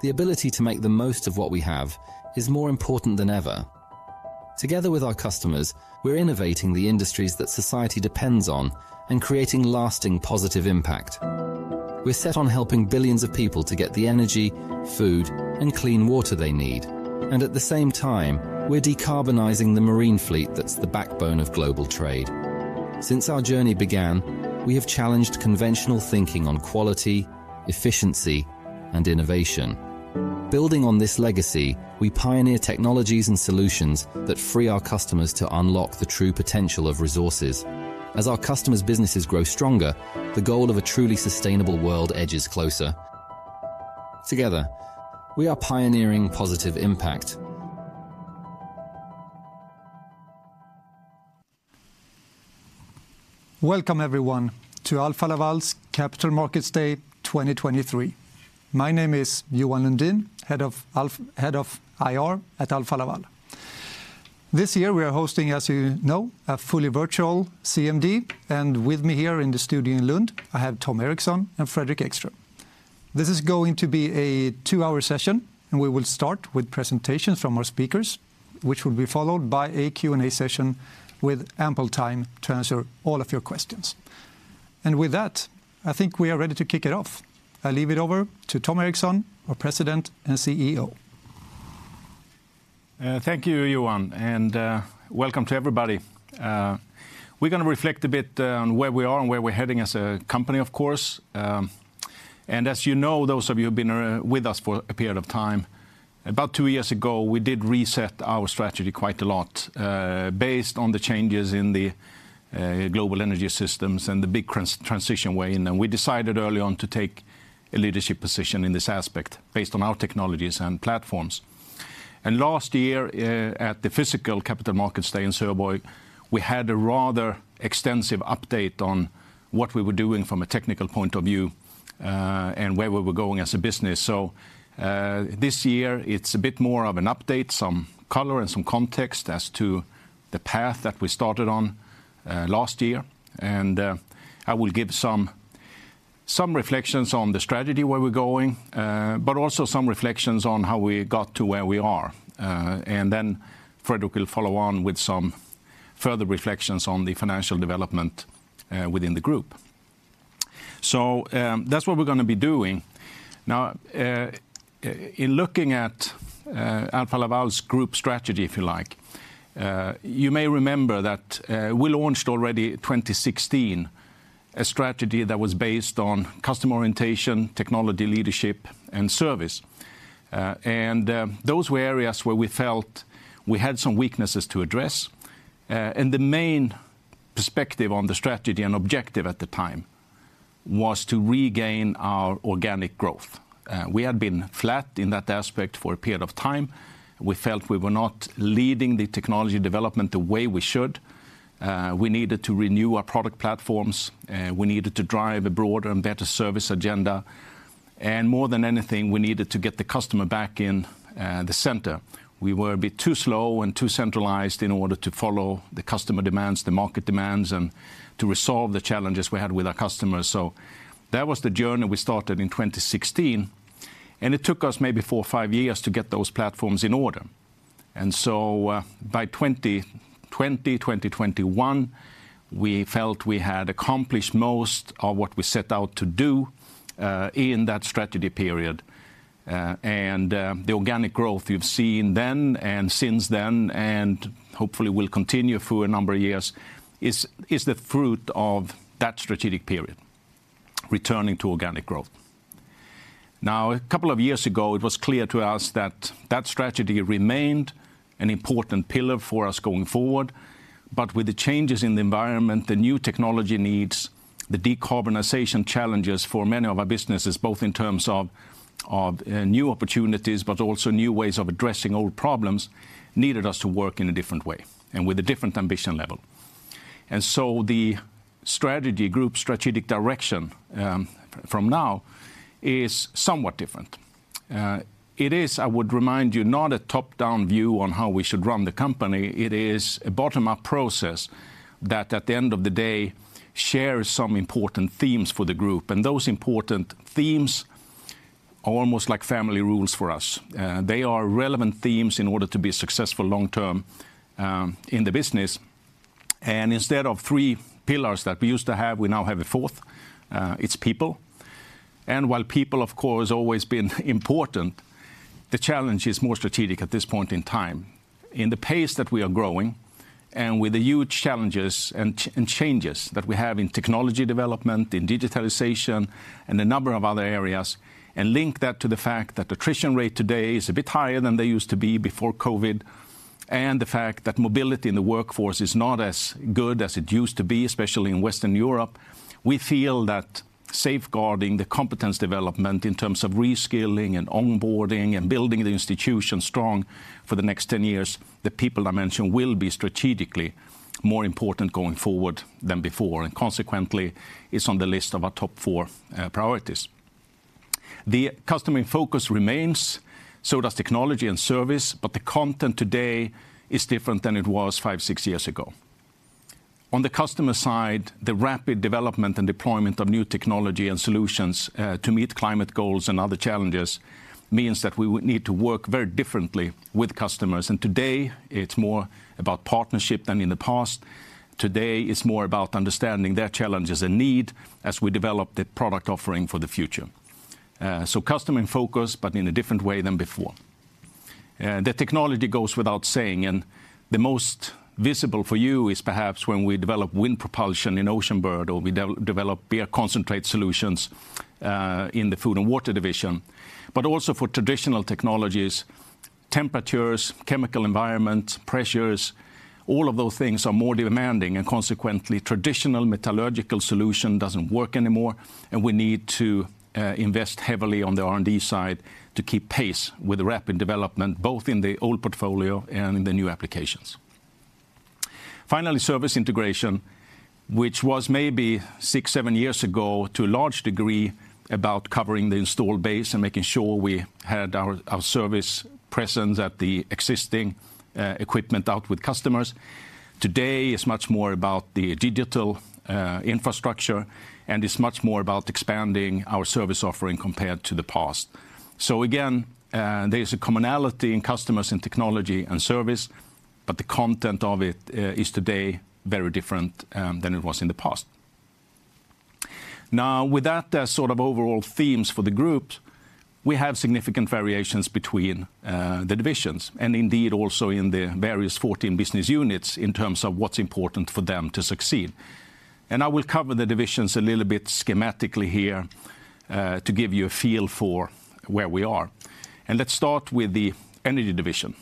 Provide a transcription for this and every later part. The ability to make the most of what we have is more important than ever. Together with our customers, we're innovating the industries that society depends on, and creating lasting, positive impact. We're set on helping billions of people to get the energy, food, and clean water they need, and at the same time, we're decarbonizing the marine fleet that's the backbone of global trade. Since our journey began, we have challenged conventional thinking on quality, efficiency, and innovation. Building on this legacy, we pioneer technologies and solutions that free our customers to unlock the true potential of resources. As our customers' businesses grow stronger, the goal of a truly sustainable world edges closer. Together, we are pioneering positive impact. Welcome everyone, to Alfa Laval's Capital Markets Day 2023. My name is Johan Lundin, Head of IR at Alfa Laval. This year, we are hosting, as you know, a fully virtual CMD, and with me here in the studio in Lund, I have Tom Erixon and Fredrik Ekström. This is going to be a two-hour session, and we will start with presentations from our speakers, which will be followed by a Q&A session, with ample time to answer all of your questions. And with that, I think we are ready to kick it off. I leave it over to Tom Erixon, our President and CEO. Thank you, Johan, and welcome to everybody. We're going to reflect a bit on where we are and where we're heading as a company, of course. As you know, those of you who've been with us for a period of time, about 2 years ago, we did reset our strategy quite a lot based on the changes in the global energy systems and the big transition way. Then we decided early on to take a leadership position in this aspect, based on our technologies and platforms. Last year at the physical Capital Markets Day in Søborg, we had a rather extensive update on what we were doing from a technical point of view and where we were going as a business. So, this year it's a bit more of an update, some color, and some context as to the path that we started on, last year, and, I will give some, some reflections on the strategy, where we're going, but also some reflections on how we got to where we are. And then Fredrik will follow on with some further reflections on the financial development, within the group. So, that's what we're going to be doing. Now, in looking at, Alfa Laval's group strategy, if you like, you may remember that, we launched already 2016, a strategy that was based on customer orientation, technology leadership, and service. And, those were areas where we felt we had some weaknesses to address. And the main perspective on the strategy and objective at the time was to regain our organic growth. We had been flat in that aspect for a period of time. We felt we were not leading the technology development the way we should. We needed to renew our product platforms, we needed to drive a broader and better service agenda, and more than anything, we needed to get the customer back in the center. We were a bit too slow and too centralized in order to follow the customer demands, the market demands, and to resolve the challenges we had with our customers. So that was the journey we started in 2016, and it took us maybe 4-5 years to get those platforms in order. By 2020, 2021, we felt we had accomplished most of what we set out to do, in that strategy period. The organic growth you've seen then and since then, and hopefully will continue through a number of years, is, is the fruit of that strategic period, returning to organic growth. Now, a couple of years ago, it was clear to us that that strategy remained an important pillar for us going forward. But with the changes in the environment, the new technology needs, the decarbonization challenges for many of our businesses, both in terms of, new opportunities, but also new ways of addressing old problems, needed us to work in a different way and with a different ambition level. And so the strategy, group strategic direction, from now is somewhat different. It is, I would remind you, not a top-down view on how we should run the company. It is a bottom-up process that, at the end of the day, shares some important themes for the group, and those important themes are almost like family rules for us. They are relevant themes in order to be successful long-term, in the business. And instead of three pillars that we used to have, we now have a fourth, it's people. And while people, of course, have always been important, the challenge is more strategic at this point in time. In the pace that we are growing, and with the huge challenges and changes that we have in technology development, in digitalization, and a number of other areas, and link that to the fact that attrition rate today is a bit higher than they used to be before COVID, and the fact that mobility in the workforce is not as good as it used to be, especially in Western Europe, we feel that safeguarding the competence development in terms of reskilling and onboarding, and building the institution strong for the next 10 years, the people dimension will be strategically more important going forward than before, and consequently, it's on the list of our top 4 priorities. The customer focus remains, so does technology and service, but the content today is different than it was five, six years ago. On the customer side, the rapid development and deployment of new technology and solutions to meet climate goals and other challenges means that we would need to work very differently with customers, and today it's more about partnership than in the past. Today, it's more about understanding their challenges and need as we develop the product offering for the future. So customer in focus, but in a different way than before. The technology goes without saying, and the most visible for you is perhaps when we develop wind propulsion in Oceanbird, or we develop beer concentrate solutions in the Food & Water division. But also for traditional technologies, temperatures, chemical environment, pressures, all of those things are more demanding, and consequently, traditional metallurgical solution doesn't work anymore, and we need to invest heavily on the R&D side to keep pace with the rapid development, both in the old portfolio and in the new applications. Finally, service integration, which was maybe 6-7 years ago, to a large degree, about covering the installed base and making sure we had our, our service presence at the existing equipment out with customers. Today, it's much more about the digital infrastructure, and it's much more about expanding our service offering compared to the past. So again, there is a commonality in customers, in technology, and service, but the content of it is today very different than it was in the past. Now, with that as sort of overall themes for the group, we have significant variations between the divisions, and indeed also in the various 14 business units, in terms of what's important for them to succeed. I will cover the divisions a little bit schematically here to give you a feel for where we are. Let's start with the Energy division.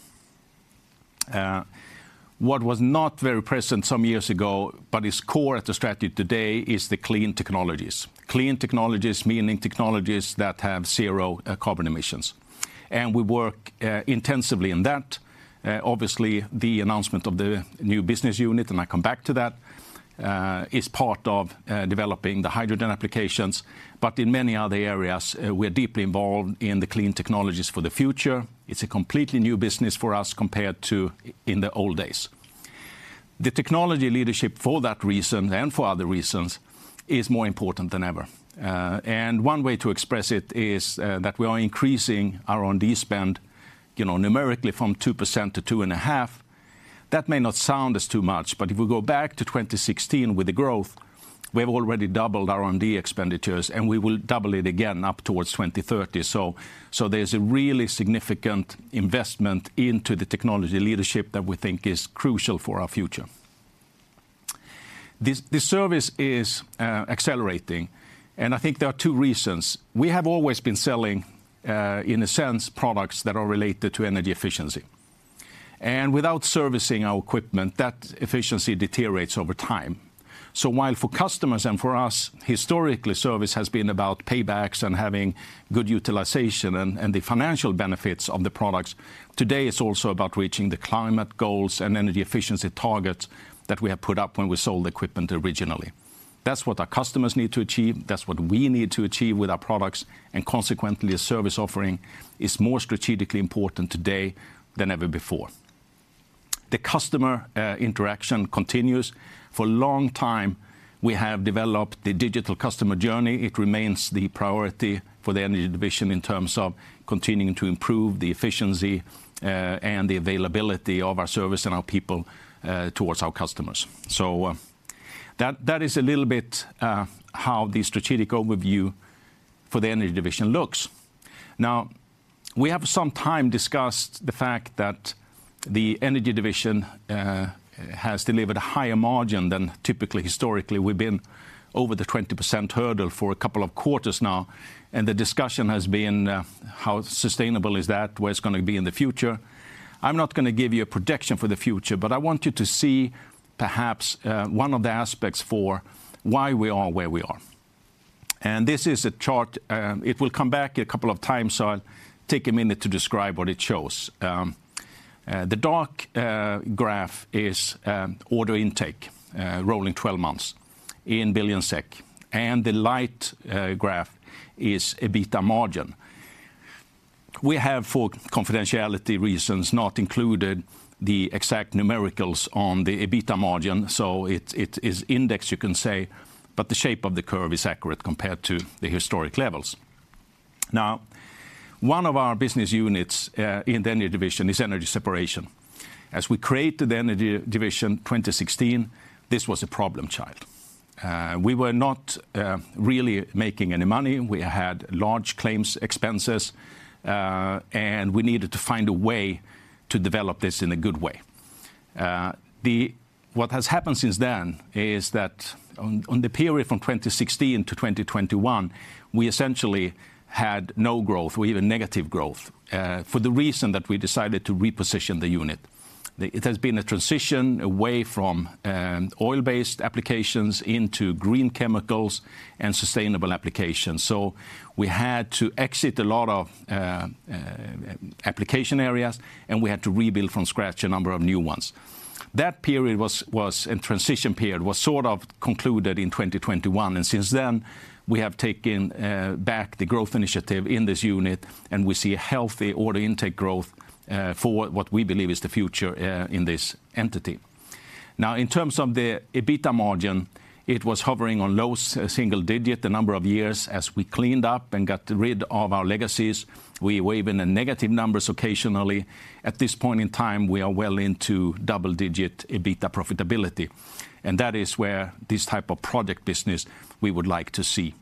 What was not very present some years ago, but is core at the strategy today, is the clean technologies. Clean technologies, meaning technologies that have 0 carbon emissions, and we work intensively in that. Obviously, the announcement of the new business unit, and I come back to that, is part of developing the hydrogen applications. But in many other areas, we're deeply involved in the clean technologies for the future. It's a completely new business for us compared to in the old days. The technology leadership, for that reason and for other reasons, is more important than ever. And one way to express it is that we are increasing R&D spend, you know, numerically from 2%-2.5%. That may not sound as too much, but if we go back to 2016 with the growth, we have already doubled R&D expenditures, and we will double it again up towards 2030. So there's a really significant investment into the technology leadership that we think is crucial for our future. The service is accelerating, and I think there are two reasons. We have always been selling, in a sense, products that are related to energy efficiency, and without servicing our equipment, that efficiency deteriorates over time. So while for customers and for us, historically, service has been about paybacks and having good utilization and the financial benefits of the products, today, it's also about reaching the climate goals and energy efficiency targets that we have put up when we sold the equipment originally. That's what our customers need to achieve, that's what we need to achieve with our products, and consequently, a service offering is more strategically important today than ever before. The customer interaction continues. For a long time, we have developed the digital customer journey. It remains the priority for the Energy division in terms of continuing to improve the efficiency and the availability of our service and our people towards our customers. So that is a little bit how the strategic overview for the Energy division looks. Now, we have for some time discussed the fact that the Energy division has delivered a higher margin than typically historically. We've been over the 20% hurdle for a couple of quarters now, and the discussion has been how sustainable is that? Where it's gonna be in the future? I'm not gonna give you a projection for the future, but I want you to see perhaps one of the aspects for why we are where we are. And this is a chart. It will come back a couple of times, so I'll take a minute to describe what it shows. The dark graph is order intake rolling 12 months in billion SEK, and the light graph is EBITDA margin. We have, for confidentiality reasons, not included the exact numerals on the EBITDA margin, so it is indexed, you can say, but the shape of the curve is accurate compared to the historic levels. Now, one of our business units in the Energy division is Energy Separation. As we created the Energy division, 2016, this was a problem child. We were not really making any money. We had large claims, expenses, and we needed to find a way to develop this in a good way. What has happened since then is that on the period from 2016 to 2021, we essentially had no growth or even negative growth, for the reason that we decided to reposition the unit. It has been a transition away from oil-based applications into green chemicals and sustainable applications. So we had to exit a lot of application areas, and we had to rebuild from scratch a number of new ones. That period was a transition period, was sort of concluded in 2021, and since then we have taken back the growth initiative in this unit, and we see a healthy order intake growth for what we believe is the future in this entity. Now, in terms of the EBITDA margin, it was hovering on low single digit for the number of years as we cleaned up and got rid of our legacies. We were even in negative numbers occasionally. At this point in time, we are well into double-digit EBITDA profitability, and that is where this type of product business we would like to see.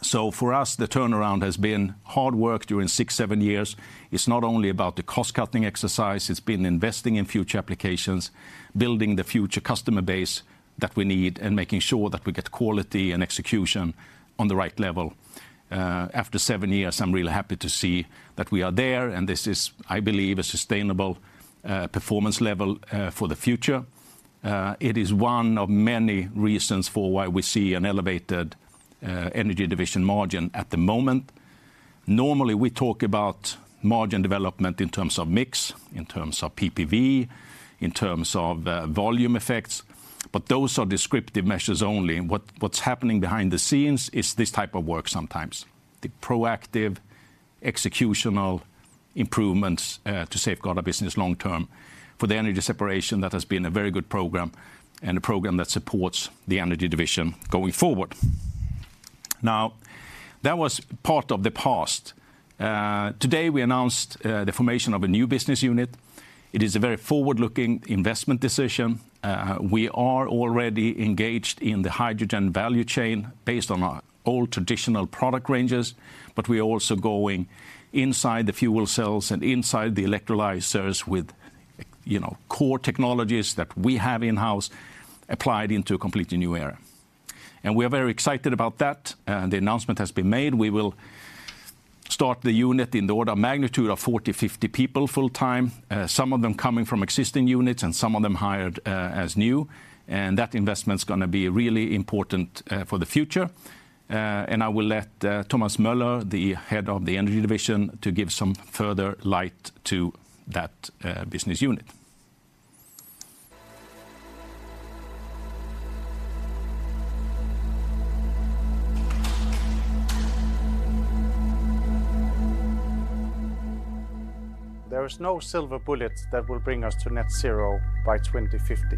So for us, the turnaround has been hard work during six, seven years. It's not only about the cost-cutting exercise, it's been investing in future applications, building the future customer base that we need, and making sure that we get quality and execution on the right level. After seven years, I'm really happy to see that we are there, and this is, I believe, a sustainable performance level for the future. It is one of many reasons for why we see an elevated Energy division margin at the moment. Normally, we talk about margin development in terms of mix, in terms of PPV, in terms of volume effects, but those are descriptive measures only. And what's happening behind the scenes is this type of work sometimes, the proactive executional improvements, to safeguard our business long term. For the Energy Separation, that has been a very good program and a program that supports the Energy division going forward. Now, that was part of the past. Today we announced the formation of a new business unit. It is a very forward-looking investment decision. We are already engaged in the hydrogen value chain based on our old traditional product ranges, but we are also going inside the fuel cells and inside the electrolyzers with, you know, core technologies that we have in-house applied into a completely new era. And we are very excited about that, and the announcement has been made. We will start the unit in the order of magnitude of 40, 50 people full-time, some of them coming from existing units and some of them hired as new, and that investment's going to be really important for the future. I will let Thomas Møller, the Head of the Energy division, to give some further light to that business unit. There is no silver bullet that will bring us to net zero by 2050.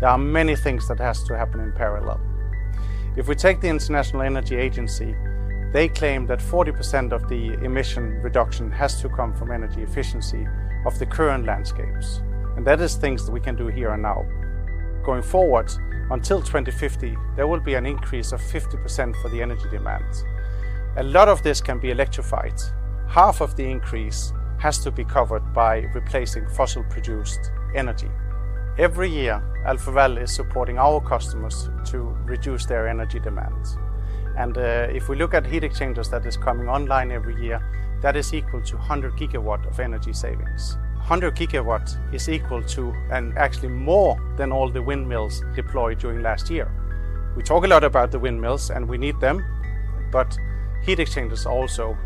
There are many things that has to happen in parallel. If we take the International Energy Agency, they claim that 40% of the emission reduction has to come from energy efficiency of the current landscapes, and that is things that we can do here and now. Going forward, until 2050, there will be an increase of 50% for the energy demand. A lot of this can be electrified. Half of the increase has to be covered by replacing fossil-produced energy. Every year, Alfa Laval is supporting our customers to reduce their energy demands, and if we look at heat exchangers that is coming online every year, that is equal to 100 GW of energy savings. 100 GW is equal to, and actually more than, all the windmills deployed during last year. We talk a lot about the windmills, and we need them, but heat exchangers are also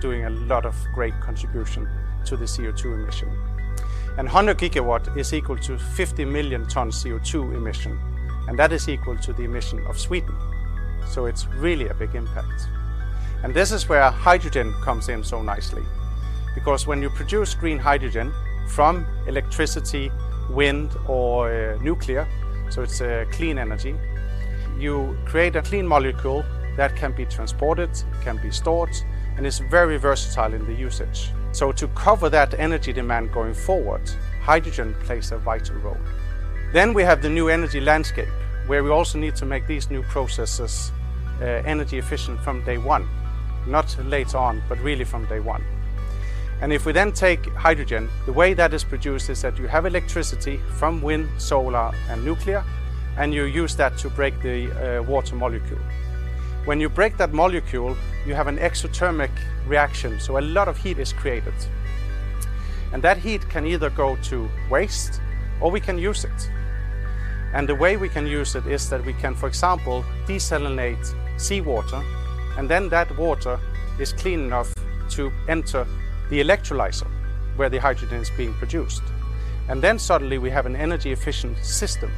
doing a lot of great contribution to the CO2 emission. And 100 GW is equal to 50 million tons CO2 emission, and that is equal to the emission of Sweden. So it's really a big impact. And this is where hydrogen comes in so nicely, because when you produce green hydrogen from electricity, wind, or nuclear, so it's a clean energy, you create a clean molecule that can be transported, can be stored, and is very versatile in the usage. So to cover that energy demand going forward, hydrogen plays a vital role. Then, we have the new energy landscape, where we also need to make these new processes, energy efficient from day one, not later on, but really from day one. And if we then take hydrogen, the way that is produced is that you have electricity from wind, solar, and nuclear, and you use that to break the water molecule. When you break that molecule, you have an exothermic reaction, so a lot of heat is created, and that heat can either go to waste or we can use it. And the way we can use it is that we can, for example, desalinate seawater, and then that water is clean enough to enter the electrolyzer, where the hydrogen is being produced. And then suddenly, we have an energy-efficient system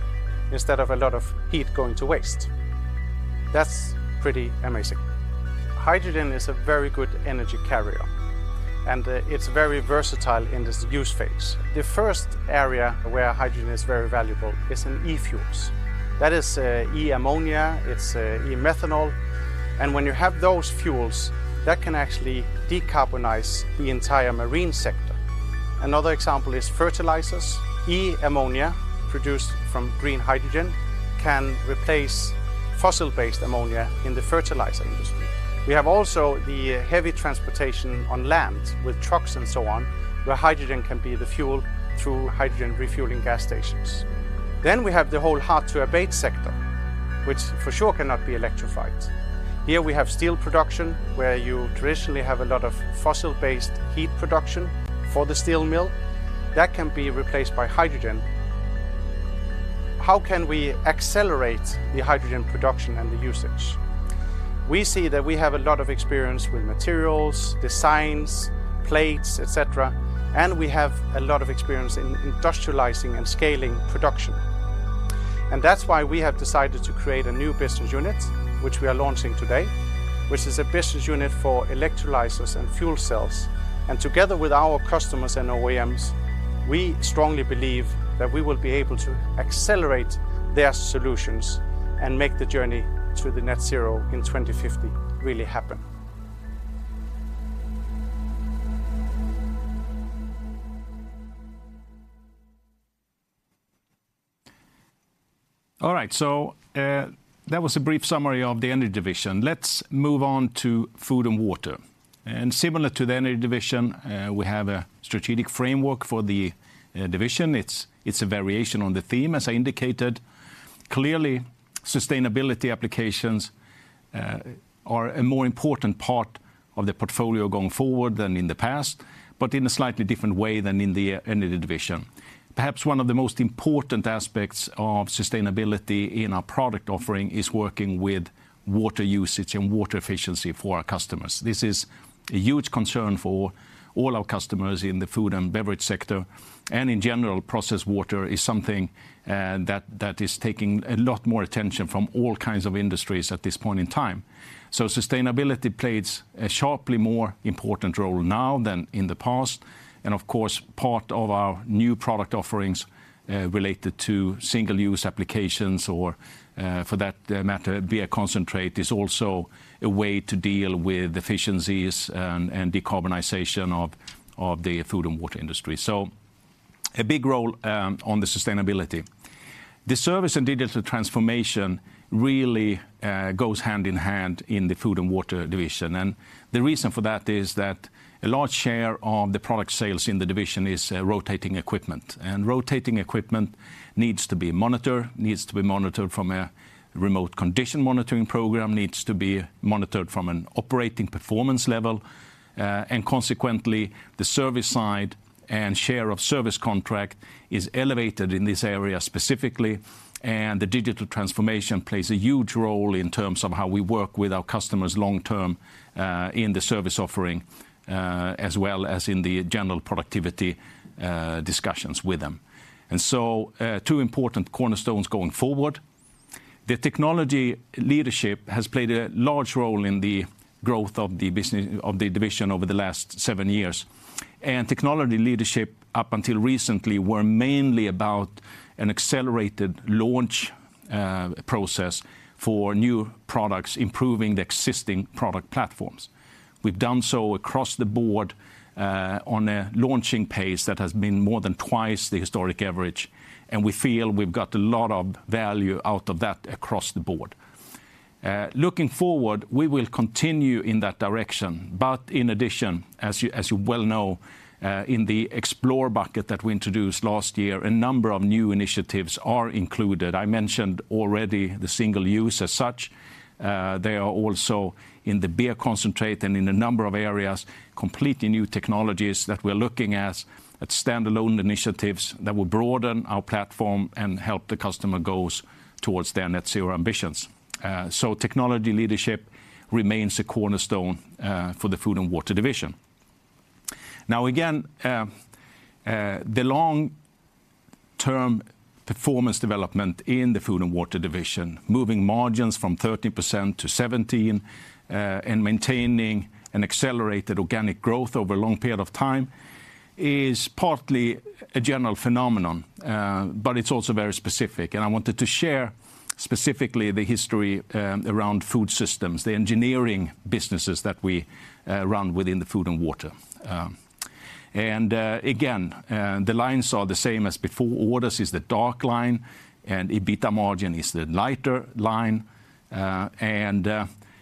instead of a lot of heat going to waste. That's pretty amazing. Hydrogen is a very good energy carrier, and it's very versatile in this use phase. The first area where hydrogen is very valuable is in e-fuels. That is, e-ammonia, it's e-methanol, and when you have those fuels, that can actually decarbonize the entire marine sector. Another example is fertilizers. E-ammonia, produced from green hydrogen, can replace fossil-based ammonia in the fertilizer industry. We have also the heavy transportation on land, with trucks and so on, where hydrogen can be the fuel through hydrogen refueling gas stations. Then, we have the whole hard-to-abate sector, which for sure cannot be electrified. Here, we have steel production, where you traditionally have a lot of fossil-based heat production for the steel mill. That can be replaced by hydrogen. How can we accelerate the hydrogen production and the usage? We see that we have a lot of experience with materials, designs, plates, et cetera, and we have a lot of experience in industrializing and scaling production. And that's why we have decided to create a new business unit, which we are launching today, which is a business unit for electrolyzers and fuel cells. And together with our customers and OEMs, we strongly believe that we will be able to accelerate their solutions and make the journey to the net zero in 2050 really happen. All right, so, that was a brief summary of the Energy division. Let's move on to Food & Water. And similar to the Energy division, we have a strategic framework for the, division. It's, it's a variation on the theme, as I indicated. Clearly, sustainability applications are a more important part of the portfolio going forward than in the past, but in a slightly different way than in the Energy division. Perhaps one of the most important aspects of sustainability in our product offering is working with water usage and water efficiency for our customers. This is a huge concern for all our customers in the food and beverage sector, and in general, processed water is something that is taking a lot more attention from all kinds of industries at this point in time. So sustainability plays a sharply more important role now than in the past, and of course, part of our new product offerings related to single-use applications or for that matter, beer concentrate, is also a way to deal with efficiencies and decarbonization of the Food & Water industry. So a big role on the sustainability. The service and digital transformation really goes hand-in-hand in the Food & Water division, and the reason for that is that a large share of the product sales in the division is rotating equipment. And rotating equipment needs to be monitored, needs to be monitored from a remote condition monitoring program, needs to be monitored from an operating performance level, and consequently, the service side and share of service contract is elevated in this area specifically, and the digital transformation plays a huge role in terms of how we work with our customers long-term in the service offering, as well as in the general productivity discussions with them. And so, two important cornerstones going forward. The technology leadership has played a large role in the growth of the business of the division over the last seven years. Technology leadership, up until recently, were mainly about an accelerated launch process for new products, improving the existing product platforms. We've done so across the board on a launching pace that has been more than twice the historic average, and we feel we've got a lot of value out of that across the board. Looking forward, we will continue in that direction, but in addition, as you, as you well know, in the Explore bucket that we introduced last year, a number of new initiatives are included. I mentioned already the single use as such. They are also in the beer concentrate and in a number of areas, completely new technologies that we're looking at standalone initiatives that will broaden our platform and help the customer goals towards their net zero ambitions. So technology leadership remains a cornerstone for the Food & Water division. Now, again, the long-term performance development in the Food & Water division, moving margins from 13% to 17%, and maintaining an accelerated organic growth over a long period of time, is partly a general phenomenon, but it's also very specific. And I wanted to share specifically the history around Food Systems, the engineering businesses that we run within the Food & Water. And, again, the lines are the same as before. Orders is the dark line, and EBITDA margin is the lighter line.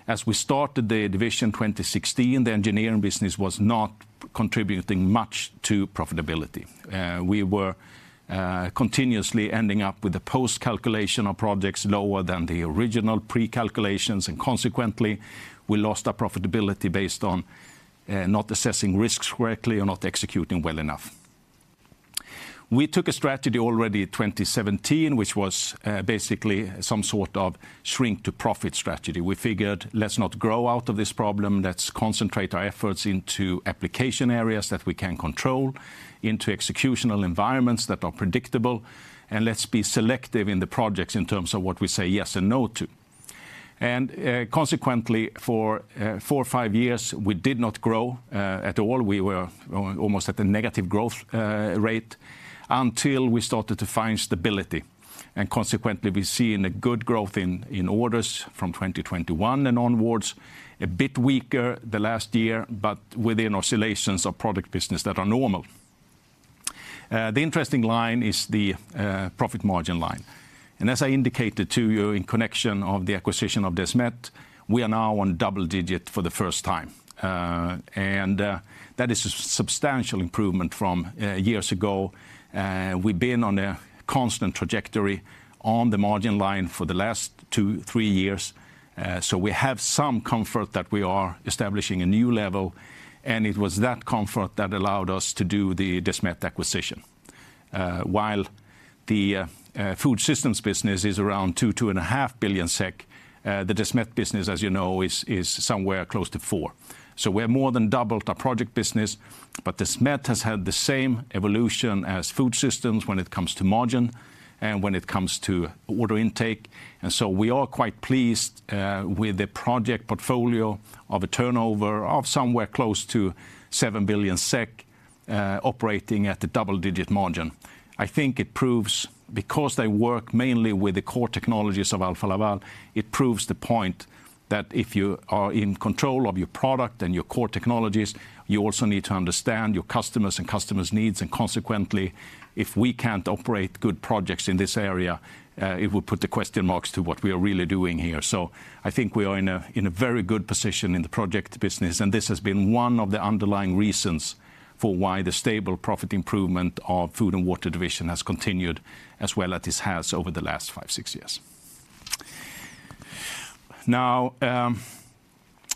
As we started the division in 2016, the engineering business was not contributing much to profitability. We were continuously ending up with a post-calculation of projects lower than the original pre-calculations, and consequently, we lost our profitability based on not assessing risks correctly or not executing well enough. We took a strategy already in 2017, which was basically some sort of shrink to profit strategy. We figured, let's not grow out of this problem. Let's concentrate our efforts into application areas that we can control, into executional environments that are predictable, and let's be selective in the projects in terms of what we say yes and no to. And consequently, for 4 or 5 years, we did not grow at all. We were almost at a negative growth rate until we started to find stability. Consequently, we've seen a good growth in orders from 2021 and onwards, a bit weaker the last year, but within oscillations of product business that are normal. The interesting line is the profit margin line. As I indicated to you in connection of the acquisition of Desmet, we are now on double digit for the first time, and that is a substantial improvement from years ago. We've been on a constant trajectory on the margin line for the last two, three years, so we have some comfort that we are establishing a new level, and it was that comfort that allowed us to do the Desmet acquisition. While the Food Systems business is around 2 billion-2.5 billion SEK, the Desmet business, as you know, is somewhere close to 4 billion SEK. So we have more than doubled our project business, but Desmet has had the same evolution as Food Systems when it comes to margin and when it comes to order intake. And so we are quite pleased with the project portfolio of a turnover of somewhere close to 7 billion SEK, operating at a double-digit margin. I think it proves, because they work mainly with the core technologies of Alfa Laval, it proves the point that if you are in control of your product and your core technologies, you also need to understand your customers and customers' needs. And consequently, if we can't operate good projects in this area, it will put the question marks to what we are really doing here. So I think we are in a very good position in the project business, and this has been one of the underlying reasons for why the stable profit improvement of Food & Water division has continued as well as this has over the last 5, 6 years. Now,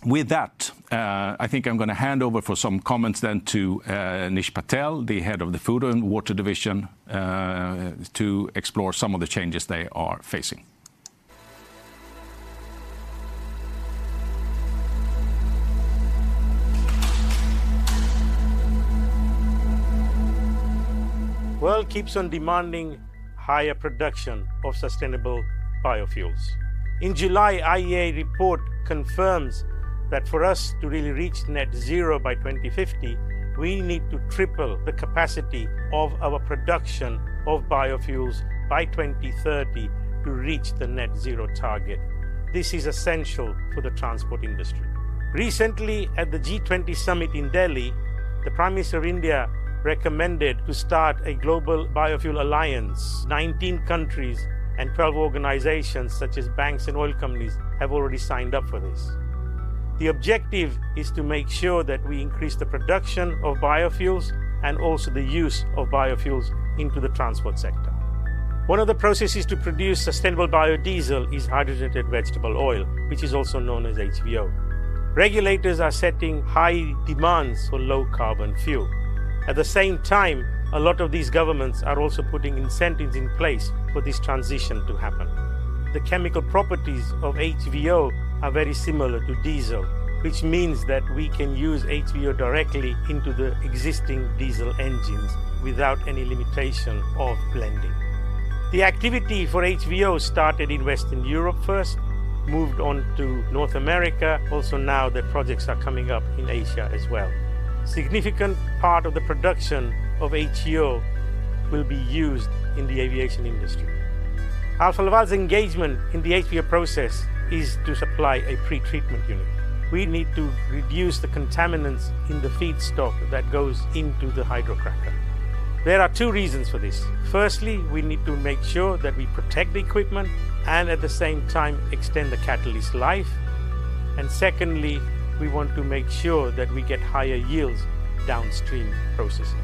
with that, I think I'm gonna hand over for some comments then to Nish Patel, the Head of Food & Water division, to explore some of the changes they are facing. World keeps on demanding higher production of sustainable biofuels. In July, IEA report confirms that for us to really reach net zero by 2050, we need to triple the capacity of our production of biofuels by 2030 to reach the net zero target. This is essential for the transport industry. Recently, at the G20 summit in Delhi, the Prime Minister of India recommended to start a Global Biofuels Alliance. 19 countries and 12 organizations, such as banks and oil companies, have already signed up for this. The objective is to make sure that we increase the production of biofuels and also the use of biofuels into the transport sector. One of the processes to produce sustainable biodiesel is hydrotreated vegetable oil, which is also known as HVO. Regulators are setting high demands for low carbon fuel. At the same time, a lot of these governments are also putting incentives in place for this transition to happen. The chemical properties of HVO are very similar to diesel, which means that we can use HVO directly into the existing diesel engines without any limitation of blending. The activity for HVO started in Western Europe first, moved on to North America. Also now, the projects are coming up in Asia as well. Significant part of the production of HVO will be used in the aviation industry. Alfa Laval's engagement in the HVO process is to supply a pre-treatment unit. We need to reduce the contaminants in the feedstock that goes into the hydrocracker. There are two reasons for this. Firstly, we need to make sure that we protect the equipment, and at the same time, extend the catalyst life. Secondly, we want to make sure that we get higher yields downstream processing.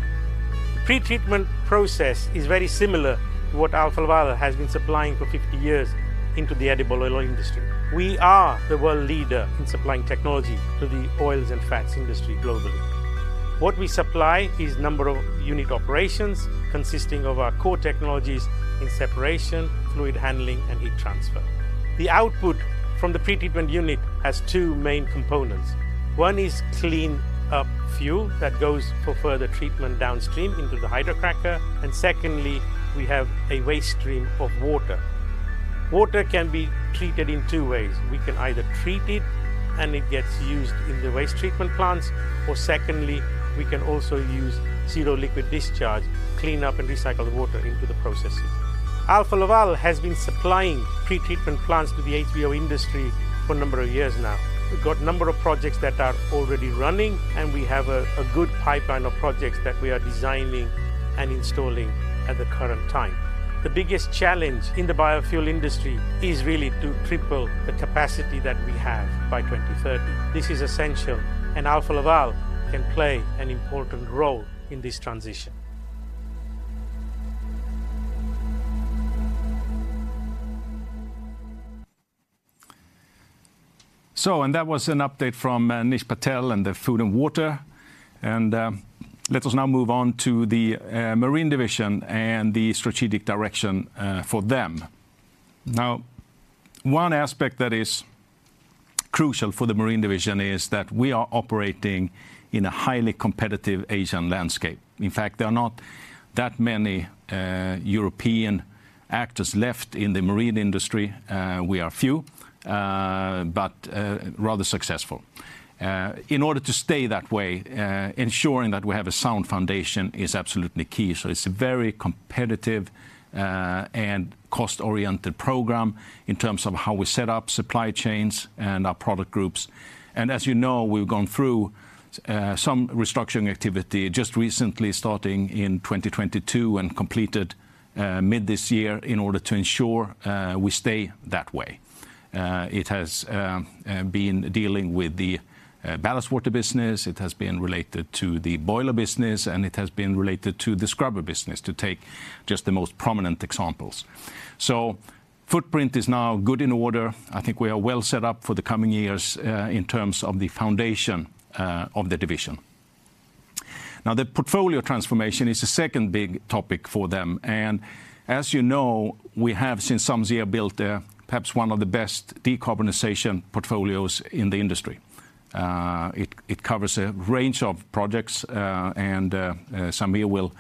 The pre-treatment process is very similar to what Alfa Laval has been supplying for 50 years into the edible oil industry. We are the world leader in supplying technology to the oils and fats industry globally. What we supply is number of unit operations consisting of our core technologies in separation, fluid handling, and heat transfer. The output from the pre-treatment unit has two main components. One is clean up fuel that goes for further treatment downstream into the hydrocracker, and secondly, we have a waste stream of water. Water can be treated in two ways. We can either treat it, and it gets used in the waste treatment plants, or secondly, we can also use zero liquid discharge, clean up and recycle the water into the processes. Alfa Laval has been supplying pre-treatment plants to the HVO industry for a number of years now. We've got a number of projects that are already running, and we have a good pipeline of projects that we are designing and installing at the current time. The biggest challenge in the biofuel industry is really to triple the capacity that we have by 2030. This is essential, and Alfa Laval can play an important role in this transition. So, and that was an update from Nish Patel and the Food & Water. And, let us now move on to the Marine division and the strategic direction for them. Now, one aspect that is crucial for the Marine division is that we are operating in a highly competitive Asian landscape. In fact, there are not that many European actors left in the marine industry. We are few, but rather successful. In order to stay that way, ensuring that we have a sound foundation is absolutely key. So it's a very competitive and cost-oriented program in terms of how we set up supply chains and our product groups. And as you know, we've gone through some restructuring activity just recently, starting in 2022, and completed mid this year in order to ensure we stay that way. It has been dealing with the ballast water business, it has been related to the boiler business, and it has been related to the scrubber business to take just the most prominent examples. So footprint is now good in order. I think we are well set up for the coming years in terms of the foundation of the division. Now, the portfolio transformation is the second big topic for them, and as you know, we have, since some year, built perhaps one of the best decarbonization portfolios in the industry. It covers a range of projects, and Sameer will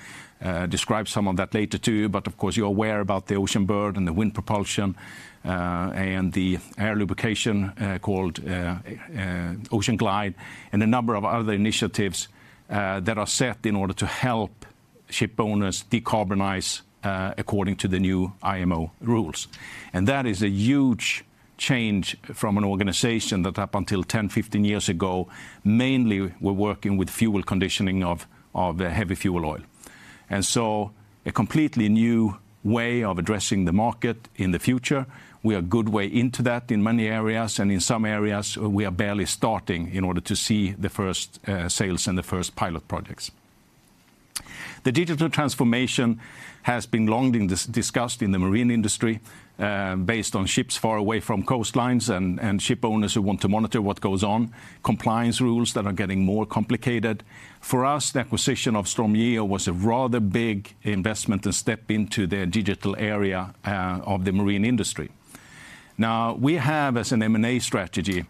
describe some of that later, too. But of course, you're aware about the Oceanbird and the wind propulsion, and the air lubrication, called OceanGlide, and a number of other initiatives, that are set in order to help ship owners decarbonize, according to the new IMO rules. And that is a huge change from an organization that up until 10, 15 years ago, mainly were working with fuel conditioning of heavy fuel oil. And so a completely new way of addressing the market in the future. We are good way into that in many areas, and in some areas, we are barely starting in order to see the first sales and the first pilot projects. The digital transformation has long been discussed in the marine industry, based on ships far away from coastlines and ship owners who want to monitor what goes on, compliance rules that are getting more complicated. For us, the acquisition of StormGeo was a rather big investment and step into the digital area of the marine industry. Now, we have, as an M&A strategy,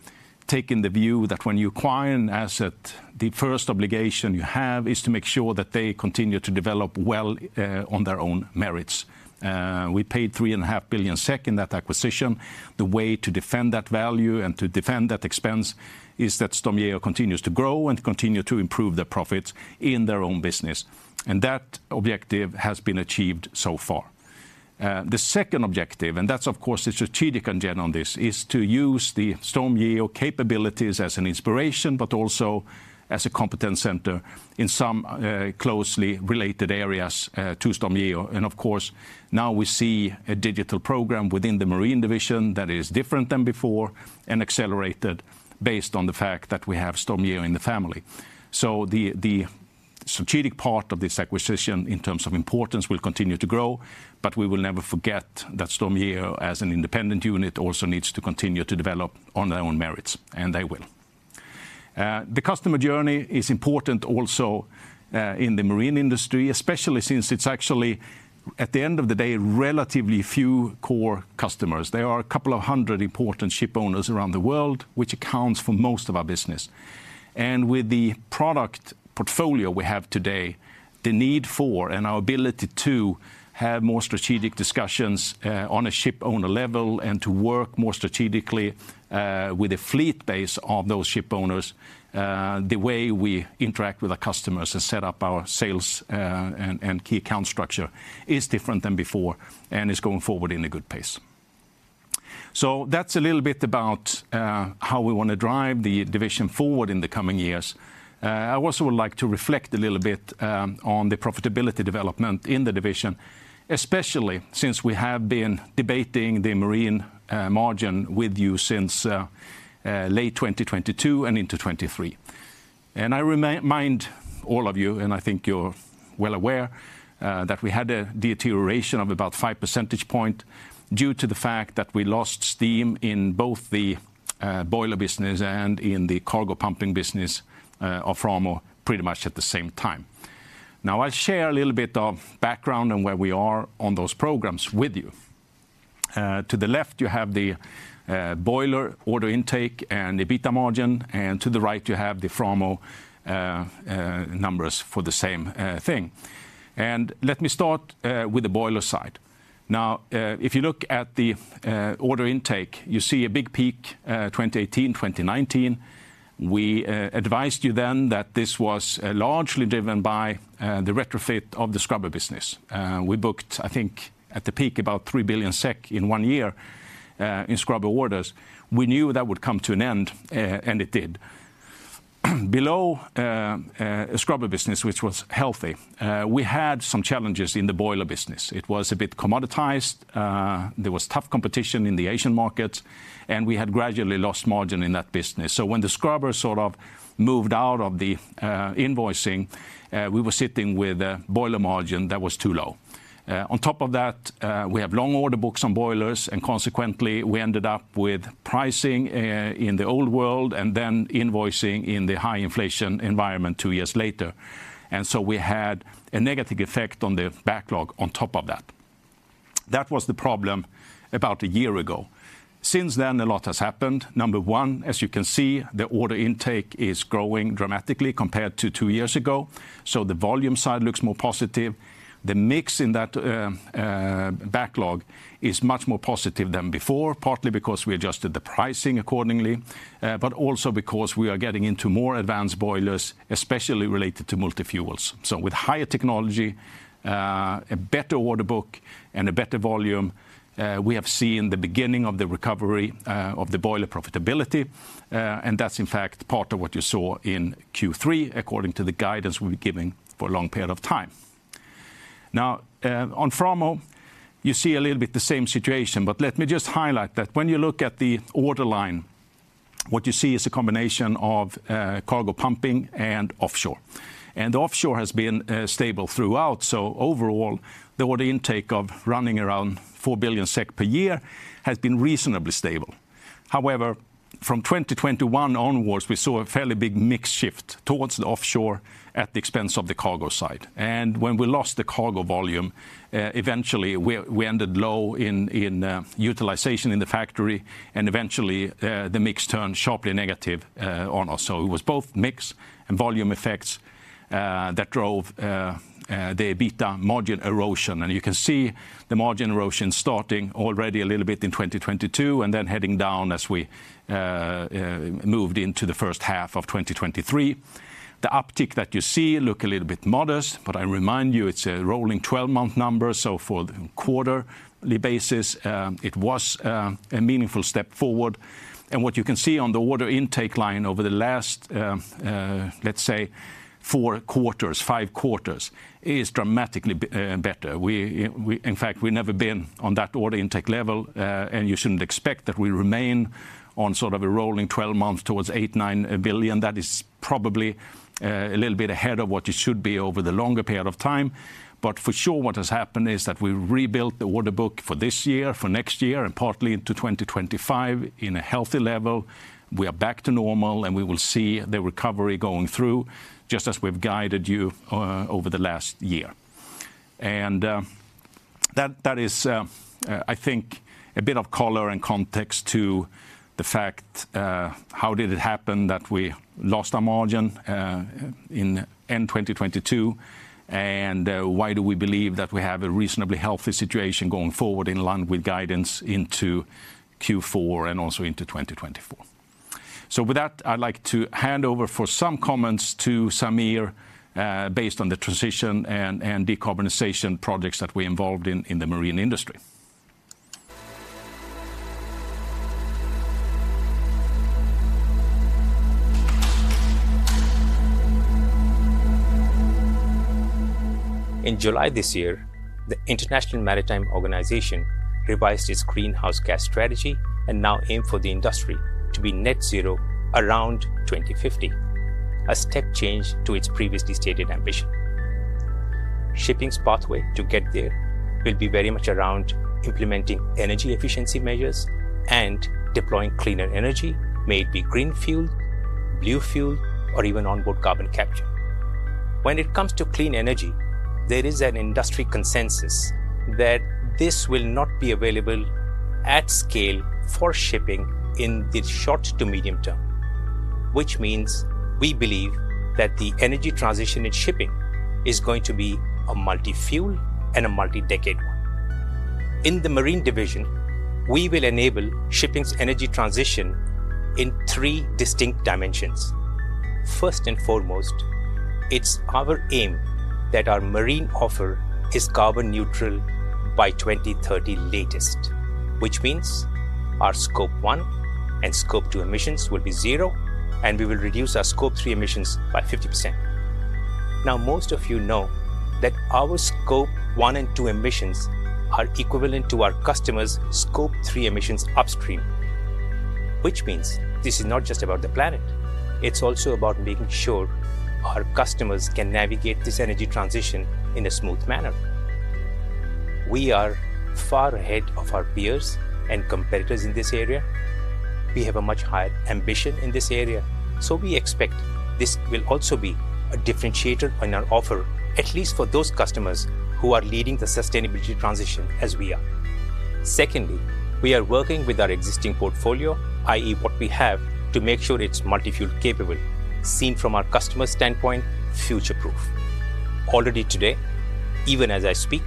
taken the view that when you acquire an asset, the first obligation you have is to make sure that they continue to develop well on their own merits. We paid 3.5 billion SEK in that acquisition. The way to defend that value and to defend that expense is that StormGeo continues to grow and continue to improve their profits in their own business, and that objective has been achieved so far. The second objective, and that's of course, the strategic agenda on this, is to use the StormGeo capabilities as an inspiration, but also as a competence center in some, closely related areas, to StormGeo. Of course, now we see a digital program within the Marine division that is different than before and accelerated based on the fact that we have StormGeo in the family. The strategic part of this acquisition, in terms of importance, will continue to grow, but we will never forget that StormGeo, as an independent unit, also needs to continue to develop on their own merits, and they will. The customer journey is important also, in the marine industry, especially since it's actually, at the end of the day, relatively few core customers. There are a couple of hundred important ship owners around the world, which accounts for most of our business. And with the product portfolio we have today, the need for, and our ability to, have more strategic discussions on a ship owner level and to work more strategically with the fleet base of those ship owners, the way we interact with our customers and set up our sales and key account structure is different than before, and is going forward in a good pace. So that's a little bit about how we want to drive the division forward in the coming years. I also would like to reflect a little bit on the profitability development in the division, especially since we have been debating the Marine margin with you since late 2022 and into 2023. I remind all of you, and I think you're well aware, that we had a deterioration of about 5 percentage points due to the fact that we lost steam in both the boiler business and in the cargo pumping business of Framo, pretty much at the same time. Now, I'll share a little bit of background on where we are on those programs with you. To the left, you have the boiler order intake and the EBITDA margin, and to the right, you have the Framo numbers for the same thing. Let me start with the boiler side. Now, if you look at the order intake, you see a big peak, 2018, 2019. We advised you then that this was largely driven by the retrofit of the scrubber business. We booked, I think, at the peak, about 3 billion SEK in one year, in scrubber orders. We knew that would come to an end, and it did. Below the scrubber business, which was healthy, we had some challenges in the boiler business. It was a bit commoditized, there was tough competition in the Asian market, and we had gradually lost margin in that business. So when the scrubber sort of moved out of the invoicing, we were sitting with a boiler margin that was too low. On top of that, we have long order books on boilers, and consequently, we ended up with pricing in the old world, and then invoicing in the high inflation environment 2 years later. And so we had a negative effect on the backlog on top of that. That was the problem about a year ago. Since then, a lot has happened. Number one, as you can see, the order intake is growing dramatically compared to 2 years ago, so the volume side looks more positive. The mix in that backlog is much more positive than before, partly because we adjusted the pricing accordingly, but also because we are getting into more advanced boilers, especially related to multi-fuels. So with higher technology, a better order book, and a better volume, we have seen the beginning of the recovery of the boiler profitability, and that's in fact part of what you saw in Q3, according to the guidance we've been giving for a long period of time. Now, on Framo, you see a little bit the same situation, but let me just highlight that when you look at the order line-... What you see is a combination of cargo pumping and offshore. Offshore has been stable throughout, so overall, the order intake of running around 4 billion SEK per year has been reasonably stable. However, from 2021 onwards, we saw a fairly big mix shift towards the offshore at the expense of the cargo side. When we lost the cargo volume, eventually, we ended low in utilization in the factory, and eventually, the mix turned sharply negative on us. So it was both mix and volume effects that drove the EBITDA margin erosion. You can see the margin erosion starting already a little bit in 2022, and then heading down as we moved into the first half of 2023. The uptick that you see look a little bit modest, but I remind you, it's a rolling twelve-month number, so for the quarterly basis, it was a meaningful step forward. And what you can see on the order intake line over the last, let's say, four quarters, five quarters, is dramatically better. We, in fact, we've never been on that order intake level, and you shouldn't expect that we remain on sort of a rolling twelve months towards 8 billion-9 billion. That is probably a little bit ahead of what it should be over the longer period of time. But for sure, what has happened is that we rebuilt the order book for this year, for next year, and partly into 2025 in a healthy level. We are back to normal, and we will see the recovery going through, just as we've guided you over the last year. And, that, that is, I think a bit of color and context to the fact, how did it happen that we lost our margin in end 2022, and, why do we believe that we have a reasonably healthy situation going forward in line with guidance into Q4 and also into 2024? So with that, I'd like to hand over for some comments to Sameer, based on the transition and, and decarbonization projects that we're involved in in the marine industry. In July this year, the International Maritime Organization revised its greenhouse gas strategy and now aim for the industry to be net zero around 2050, a step change to its previously stated ambition. Shipping's pathway to get there will be very much around implementing energy efficiency measures and deploying cleaner energy, may it be green fuel, blue fuel, or even onboard carbon capture. When it comes to clean energy, there is an industry consensus that this will not be available at scale for shipping in the short to medium term, which means we believe that the energy transition in shipping is going to be a multi-fuel and a multi-decade one. In the Marine division, we will enable shipping's energy transition in three distinct dimensions. First and foremost, it's our aim that our marine offer is carbon neutral by 2030 latest, which means our Scope 1 and Scope 2 emissions will be zero, and we will reduce our Scope 3 emissions by 50%. Now, most of you know that our Scope 1 and 2 emissions are equivalent to our customers' Scope 3 emissions upstream, which means this is not just about the planet. It's also about making sure our customers can navigate this energy transition in a smooth manner. We are far ahead of our peers and competitors in this area. We have a much higher ambition in this area, so we expect this will also be a differentiator on our offer, at least for those customers who are leading the sustainability transition as we are. Secondly, we are working with our existing portfolio, i.e., what we have, to make sure it's multi-fuel capable, seen from our customer standpoint, future-proof. Already today, even as I speak,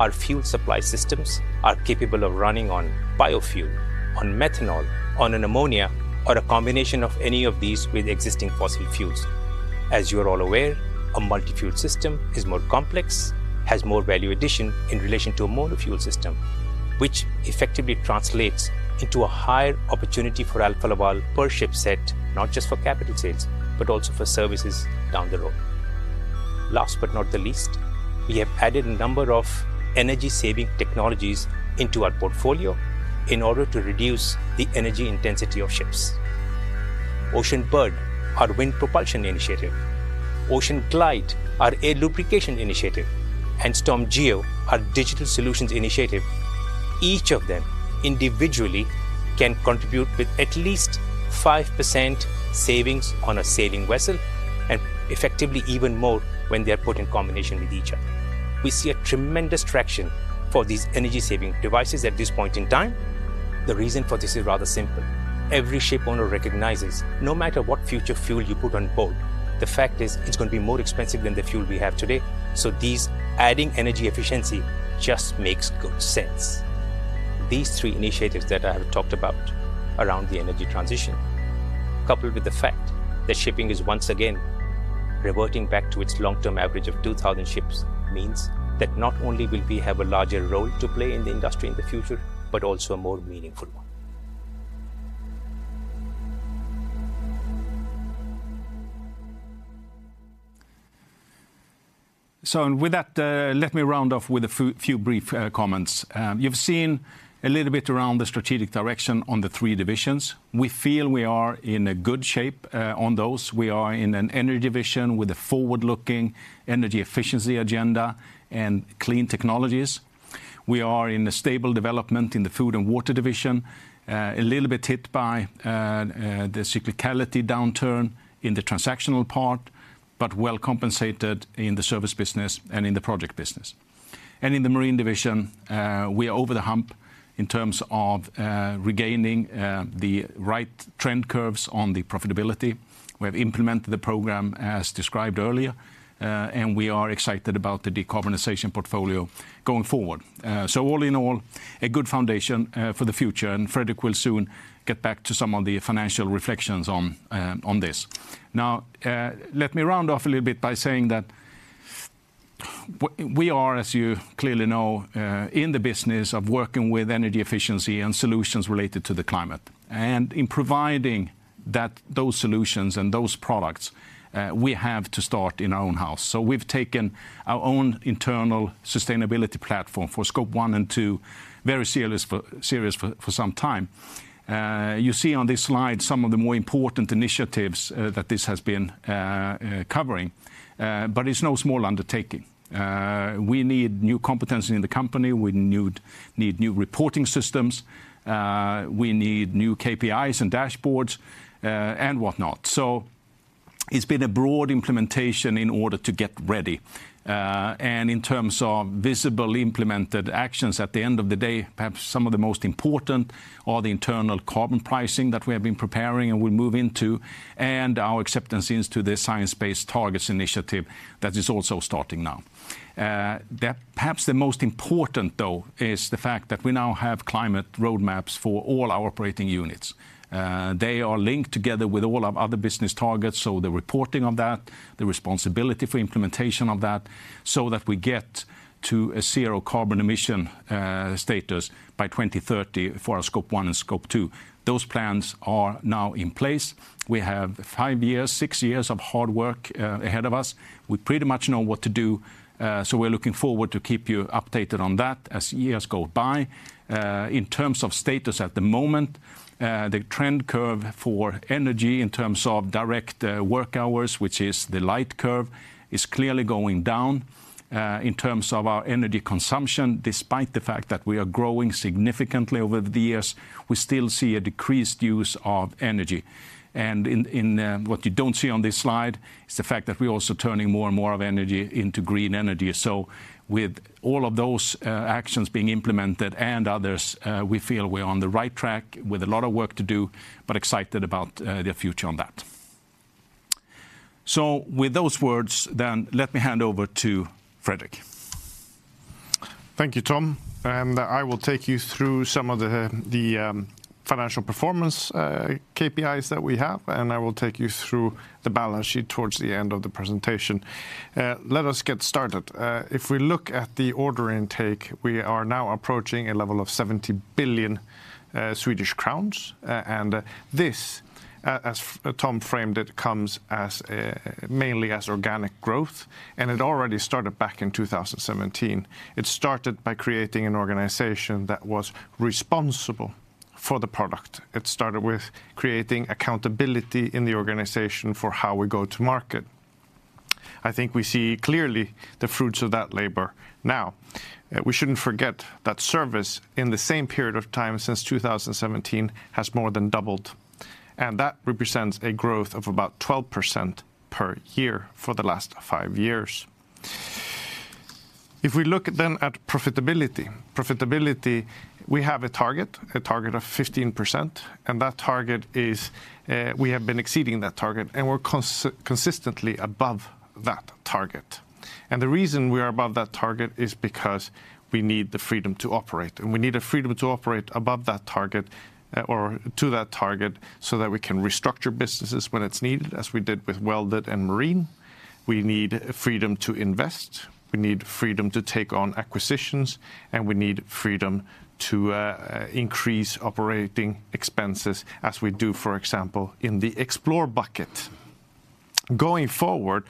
our fuel supply systems are capable of running on biofuel, on methanol, on an ammonia, or a combination of any of these with existing fossil fuels. As you are all aware, a multi-fuel system is more complex, has more value addition in relation to a mono-fuel system, which effectively translates into a higher opportunity for Alfa Laval per ship set, not just for capital sales, but also for services down the road. Last but not the least, we have added a number of energy-saving technologies into our portfolio in order to reduce the energy intensity of ships. Oceanbird, our wind propulsion initiative, OceanGlide, our air lubrication initiative, and StormGeo, our digital solutions initiative, each of them individually can contribute with at least 5% savings on a sailing vessel, and effectively even more when they are put in combination with each other. We see a tremendous traction for these energy-saving devices at this point in time. The reason for this is rather simple: Every ship owner recognizes, no matter what future fuel you put on board, the fact is, it's going to be more expensive than the fuel we have today. So these adding energy efficiency just makes good sense. These three initiatives that I have talked about around the energy transition, coupled with the fact that shipping is once again reverting back to its long-term average of 2,000 ships, means that not only will we have a larger role to play in the industry in the future, but also a more meaningful one. So, and with that, let me round off with a few brief comments. You've seen a little bit around the strategic direction on the three divisions. We feel we are in a good shape on those. We are in the Energy division with a forward-looking energy efficiency agenda and clean technologies. We are in a stable development in the Food & Water division, a little bit hit by the cyclicality downturn in the transactional part, but well compensated in the service business and in the project business. And in the Marine division, we are over the hump in terms of regaining the right trend curves on the profitability. We have implemented the program as described earlier, and we are excited about the decarbonization portfolio going forward. So all in all, a good foundation for the future, and Fredrik will soon get back to some of the financial reflections on, on this. Now, let me round off a little bit by saying that we are, as you clearly know, in the business of working with energy efficiency and solutions related to the climate, and in providing those solutions and those products, we have to start in our own house. So we've taken our own internal sustainability platform for Scope 1 and 2 very seriously for some time. You see on this slide some of the more important initiatives that this has been covering, but it's no small undertaking. We need new competency in the company. We need new reporting systems. We need new KPIs and dashboards, and whatnot. So it's been a broad implementation in order to get ready. And in terms of visible implemented actions, at the end of the day, perhaps some of the most important are the internal carbon pricing that we have been preparing and will move into, and our acceptances to the Science Based Targets initiative that is also starting now. That perhaps the most important, though, is the fact that we now have climate roadmaps for all our operating units. They are linked together with all our other business targets, so the reporting of that, the responsibility for implementation of that, so that we get to a zero carbon emission status by 2030 for our Scope 1 and Scope 2. Those plans are now in place. We have five years, six years of hard work ahead of us. We pretty much know what to do, so we're looking forward to keep you updated on that as years go by. In terms of status at the moment, the trend curve for energy, in terms of direct work hours, which is the light curve, is clearly going down in terms of our energy consumption. Despite the fact that we are growing significantly over the years, we still see a decreased use of energy. And in what you don't see on this slide is the fact that we're also turning more and more of energy into green energy. So with all of those actions being implemented and others, we feel we're on the right track with a lot of work to do, but excited about the future on that. So with those words, then, let me hand over to Fredrik. Thank you, Tom, and I will take you through some of the financial performance, KPIs that we have, and I will take you through the balance sheet towards the end of the presentation. Let us get started. If we look at the order intake, we are now approaching a level of 70 billion Swedish crowns, and this, as Tom framed it, comes as mainly as organic growth, and it already started back in 2017. It started by creating an organization that was responsible for the product. It started with creating accountability in the organization for how we go to market. I think we see clearly the fruits of that labor. Now, we shouldn't forget that service, in the same period of time since 2017, has more than doubled, and that represents a growth of about 12% per year for the last five years. If we look then at profitability, we have a target of 15%, and that target is, we have been exceeding that target, and we're consistently above that target. And the reason we are above that target is because we need the freedom to operate, and we need the freedom to operate above that target, or to that target, so that we can restructure businesses when it's needed, as we did with Welded and Marine. We need freedom to invest, we need freedom to take on acquisitions, and we need freedom to increase operating expenses, as we do, for example, in the Explore bucket. Going forward,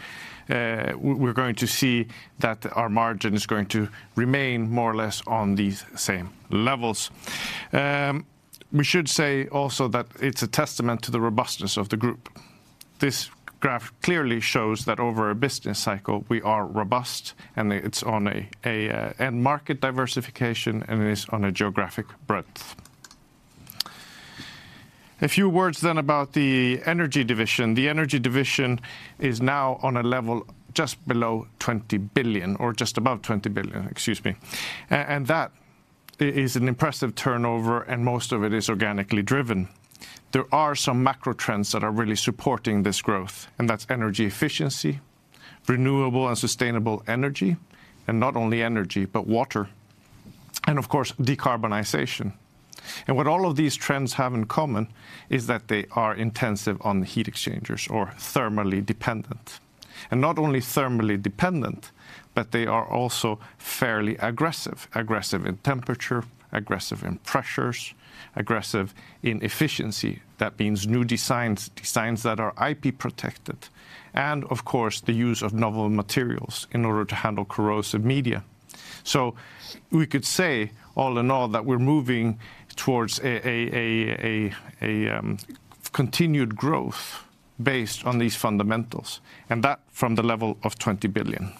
we're going to see that our margin is going to remain more or less on these same levels. We should say also that it's a testament to the robustness of the group. This graph clearly shows that over a business cycle, we are robust, and it's on a end market diversification, and it is on a geographic breadth. A few words then about the Energy division. The Energy division is now on a level just below 20 billion, or just above 20 billion, excuse me. And that is an impressive turnover, and most of it is organically driven. There are some macro trends that are really supporting this growth, and that's energy efficiency, renewable and sustainable energy, and not only energy, but water, and of course, decarbonization. What all of these trends have in common is that they are intensive on heat exchangers or thermally dependent. Not only thermally dependent, but they are also fairly aggressive, aggressive in temperature, aggressive in pressures, aggressive in efficiency. That means new designs, designs that are IP-protected, and of course, the use of novel materials in order to handle corrosive media. So we could say, all in all, that we're moving towards continued growth based on these fundamentals, and that from the level of 20 billion.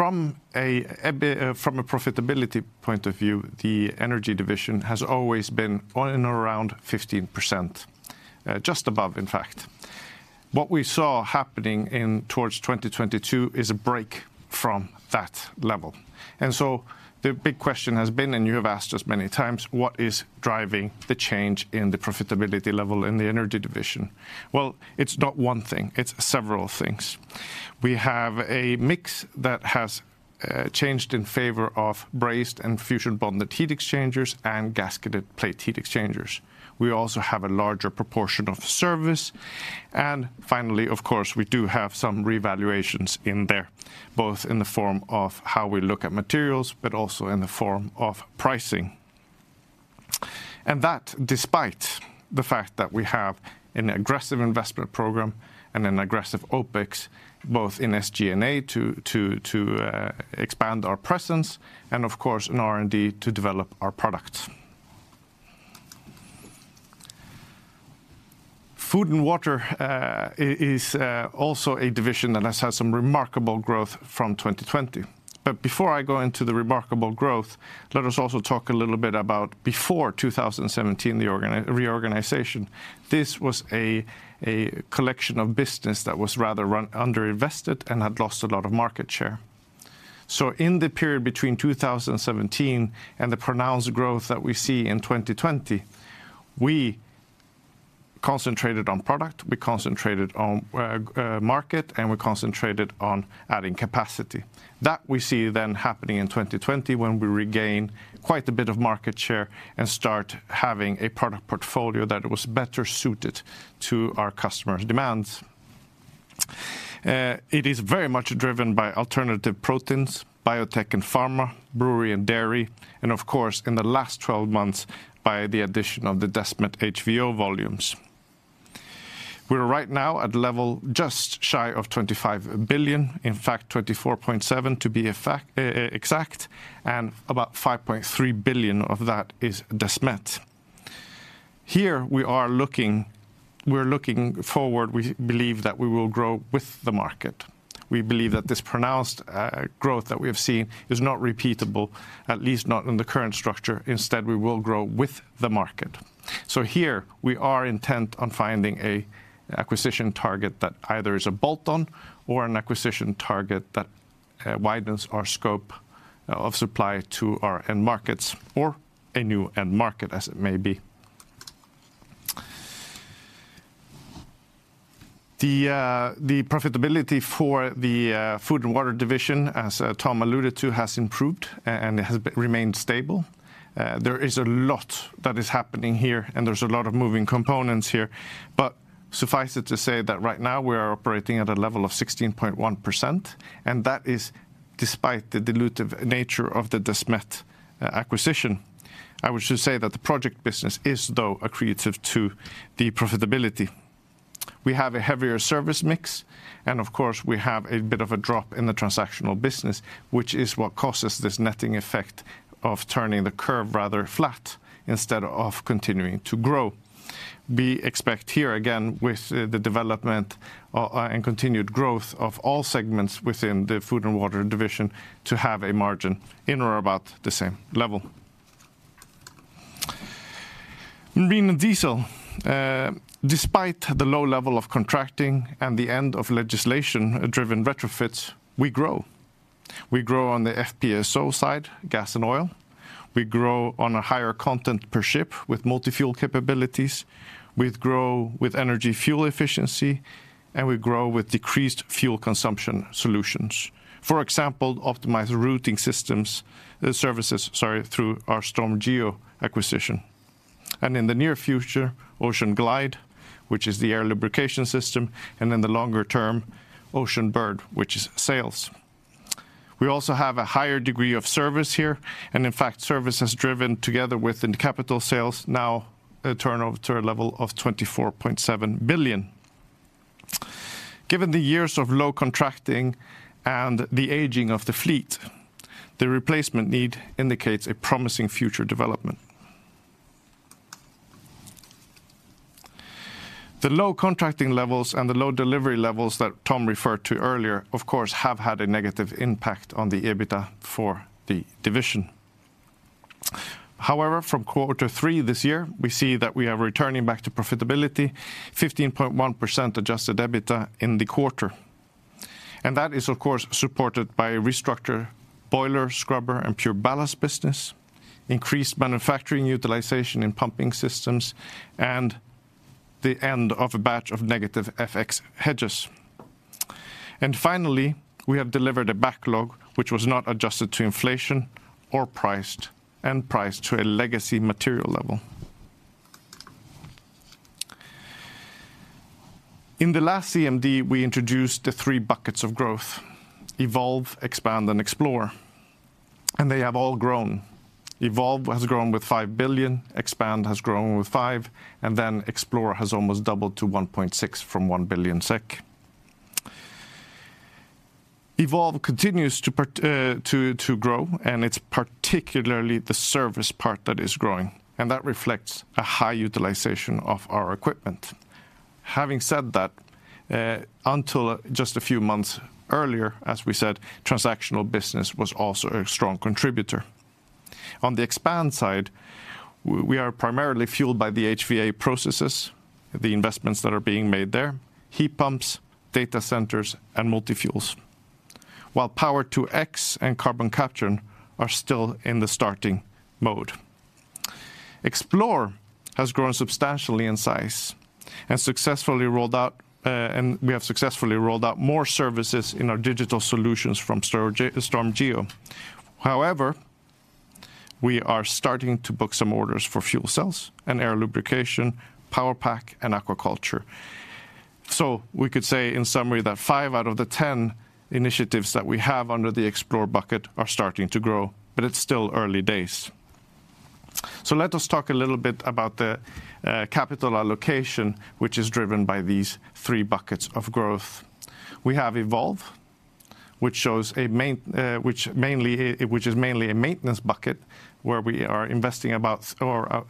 From a profitability point of view, the Energy division has always been on and around 15%, just above, in fact. What we saw happening in towards 2022 is a break from that level. And so the big question has been, and you have asked us many times, what is driving the change in the profitability level in the Energy division? Well, it's not one thing, it's several things. We have a mix that has changed in favor of Brazed and Fusion Bonded Heat Exchangers and Gasketed Plate Heat Exchangers. We also have a larger proportion of service. And finally, of course, we do have some revaluations in there, both in the form of how we look at materials, but also in the form of pricing. And that despite the fact that we have an aggressive investment program and an aggressive OpEx, both in SG&A to expand our presence, and of course, in R&D to develop our products. Food & Water is also a division that has had some remarkable growth from 2020. But before I go into the remarkable growth, let us also talk a little bit about before 2017, the reorganization. This was a collection of business that was rather underinvested and had lost a lot of market share. So in the period between 2017 and the pronounced growth that we see in 2020, we concentrated on product, we concentrated on market, and we concentrated on adding capacity. That we see then happening in 2020, when we regain quite a bit of market share and start having a product portfolio that was better suited to our customers' demands. It is very much driven by alternative proteins, biotech and pharma, brewery and dairy, and of course, in the last 12 months, by the addition of the Desmet HVO volumes. We're right now at a level just shy of 25 billion, in fact, 24.7 to be exact, and about 5.3 billion of that is Desmet. Here we are looking, we're looking forward. We believe that we will grow with the market. We believe that this pronounced growth that we have seen is not repeatable, at least not in the current structure. Instead, we will grow with the market. So here we are intent on finding an acquisition target that either is a bolt-on or an acquisition target that widens our scope of supply to our end markets or a new end market, as it may be. The profitability for the Food & Water division, as Tom alluded to, has improved and it has remained stable. There is a lot that is happening here, and there's a lot of moving components here. But suffice it to say that right now we are operating at a level of 16.1%, and that is despite the dilutive nature of the Desmet acquisition. I would just say that the project business is, though, accretive to the profitability. We have a heavier service mix, and of course, we have a bit of a drop in the transactional business, which is what causes this netting effect of turning the curve rather flat instead of continuing to grow. We expect here, again, with the development and continued growth of all segments within the Food & Water division to have a margin in or about the same level. Marine and Diesel, despite the low level of contracting and the end of legislation-driven retrofits, we grow. We grow on the FPSO side, gas and oil. We grow on a higher content per ship with multi-fuel capabilities, we grow with energy fuel efficiency, and we grow with decreased fuel consumption solutions. For example, optimized routing systems, services, sorry, through our StormGeo acquisition. And in the near future, OceanGlide, which is the air lubrication system, and in the longer term, Oceanbird, which is sails. We also have a higher degree of service here, and in fact, service has driven together with capital sales now, turnover to a level of 24.7 billion. Given the years of low contracting and the aging of the fleet, the replacement need indicates a promising future development. The low contracting levels and the low delivery levels that Tom referred to earlier, of course, have had a negative impact on the EBITDA for the division. However, from quarter three this year, we see that we are returning back to profitability, 15.1% adjusted EBITDA in the quarter. And that is, of course, supported by a restructure boiler, scrubber, and PureBallast business, increased manufacturing utilization in pumping systems, and the end of a batch of negative FX hedges. And finally, we have delivered a backlog, which was not adjusted to inflation or priced, end priced to a legacy material level. In the last CMD, we introduced the three buckets of growth: evolve, expand, and explore. And they have all grown. Evolve has grown with 5 billion SEK, Expand has grown with 5 billion SEK, and then Explore has almost doubled to 1.6 billion SEK from 1 billion SEK. Evolve continues to part, to, to grow, and it's particularly the service part that is growing, and that reflects a high utilization of our equipment. Having said that, until just a few months earlier, as we said, transactional business was also a strong contributor. On the Expand side, we are primarily fueled by the HVO processes, the investments that are being made there, heat pumps, data centers, and multi-fuels. While Power-to-X and carbon capture are still in the starting mode. Explore has grown substantially in size and successfully rolled out, and we have successfully rolled out more services in our digital solutions from StormGeo. However, we are starting to book some orders for fuel cells and air lubrication, PowerPack and aquaculture. So we could say, in summary, that five out of the 10 initiatives that we have under the Explore bucket are starting to grow, but it's still early days. Let us talk a little bit about the capital allocation, which is driven by these three buckets of growth. We have Evolve, which is mainly a maintenance bucket, where we are investing about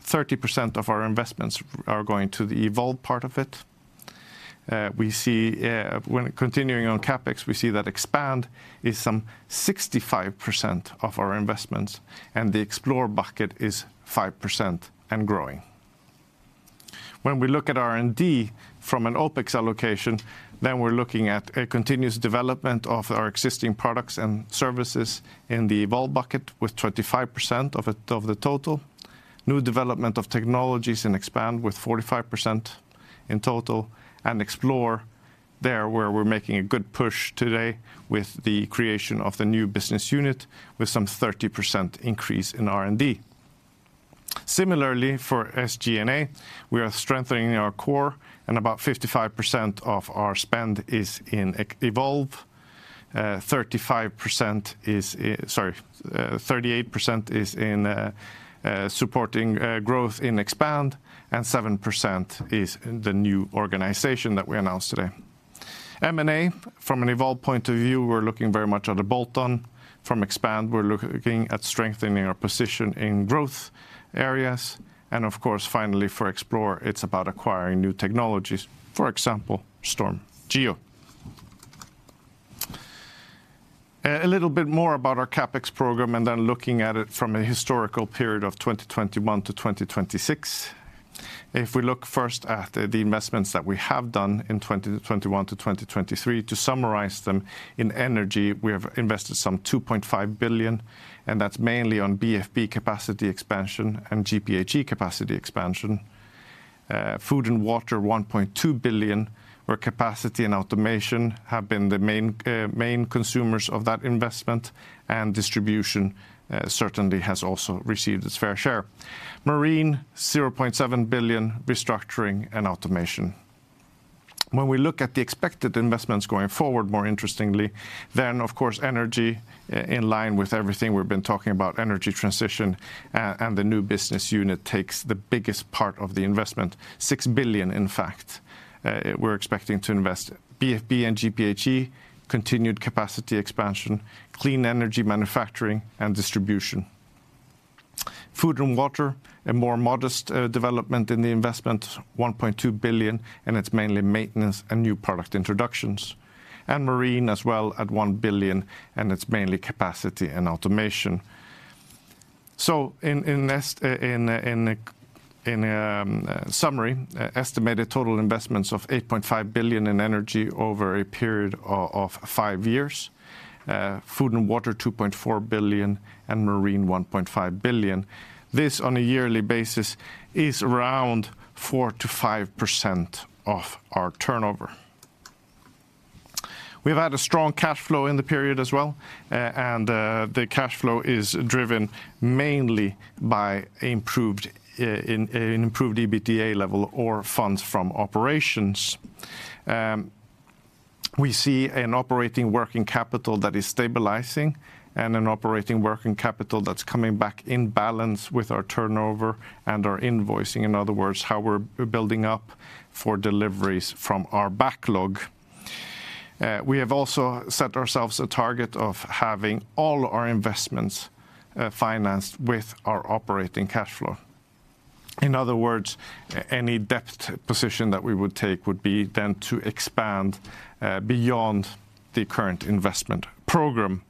thirty percent of our investments are going to the Evolve part of it. We see when continuing on CapEx, we see that Expand is some sixty-five percent of our investments, and the Explore bucket is 5% and growing. When we look at R&D from an OpEx allocation, then we're looking at a continuous development of our existing products and services in the Evolve bucket, with 25% of it, of the total. New development of technologies in Expand with 45% in total, and Explore, there, where we're making a good push today with the creation of the new business unit, with some 30% increase in R&D. Similarly, for SG&A, we are strengthening our core, and about 55% of our spend is in Evolve. Sorry, 38% is in supporting growth in Expand, and 7% is in the new organization that we announced today. M&A, from an Evolve point of view, we're looking very much at a bolt-on. From Expand, we're looking at strengthening our position in growth areas, and of course, finally, for Explore, it's about acquiring new technologies, for example, StormGeo. A little bit more about our CapEx program, and then looking at it from a historical period of 2021 to 2026. If we look first at the investments that we have done in 2021 to 2023, to summarize them, in Energy, we have invested some 2.5 billion, and that's mainly on BFB capacity expansion and GPHE capacity expansion. Food & Water, 1.2 billion, where capacity and automation have been the main consumers of that investment, and Distribution certainly has also received its fair share. Marine, 0.7 billion, restructuring and automation. When we look at the expected investments going forward, more interestingly, then, of course, Energy in line with everything we've been talking about, energy transition, and the new business unit takes the biggest part of the investment, 6 billion, in fact, we're expecting to invest. BFB and GPHE, continued capacity expansion, clean energy manufacturing, and distribution. Food & Water, a more modest development in the investment, 1.2 billion, and it's mainly maintenance and new product introductions. Marine as well at 1 billion, and it's mainly capacity and automation. In this summary, estimated total investments of 8.5 billion in Energy over a period of five years, Food & Water, 2.4 billion, and Marine, 1.5 billion. This, on a yearly basis, is around 4%-5% of our turnover. We've had a strong cash flow in the period as well, and the cash flow is driven mainly by improved EBITDA level or funds from operations. We see an operating working capital that is stabilizing and an operating working capital that's coming back in balance with our turnover and our invoicing, in other words, how we're building up for deliveries from our backlog. We have also set ourselves a target of having all our investments financed with our operating cash flow. In other words, any debt position that we would take would be then to expand beyond the current investment program.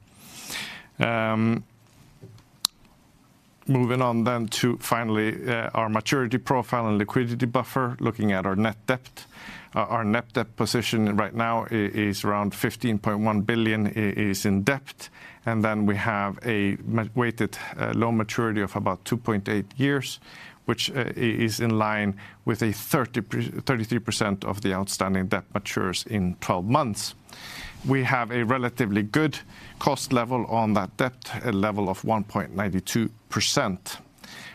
Moving on then to finally our maturity profile and liquidity buffer, looking at our net debt. Our net debt position right now is around 15.1 billion in debt, and then we have a weighted low maturity of about 2.8 years, which is in line with 33% of the outstanding debt matures in 12 months. We have a relatively good cost level on that debt, a level of 1.92%.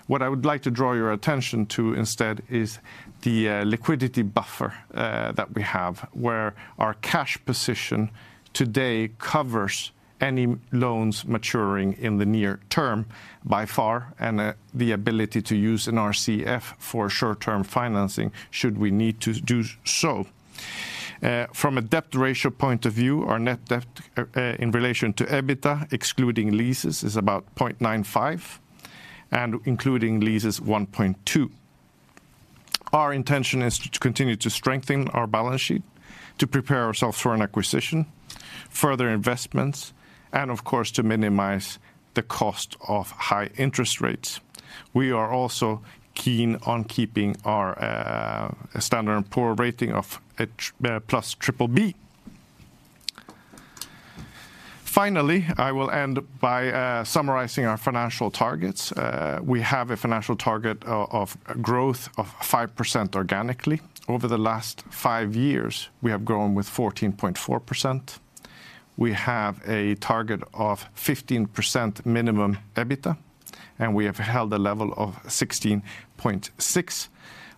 What I would like to draw your attention to instead is the liquidity buffer that we have, where our cash position today covers any loans maturing in the near term by far, and the ability to use an RCF for short-term financing should we need to do so. From a debt ratio point of view, our net debt in relation to EBITDA, excluding leases, is about 0.95, and including leases, 1.2. Our intention is to continue to strengthen our balance sheet, to prepare ourselves for an acquisition, further investments, and of course, to minimize the cost of high interest rates. We are also keen on keeping our Standard & Poor's rating of BBB+. Finally, I will end by summarizing our financial targets. We have a financial target of growth of 5% organically. Over the last 5 years, we have grown with 14.4%. We have a target of 15% minimum EBITDA, and we have held a level of 16.6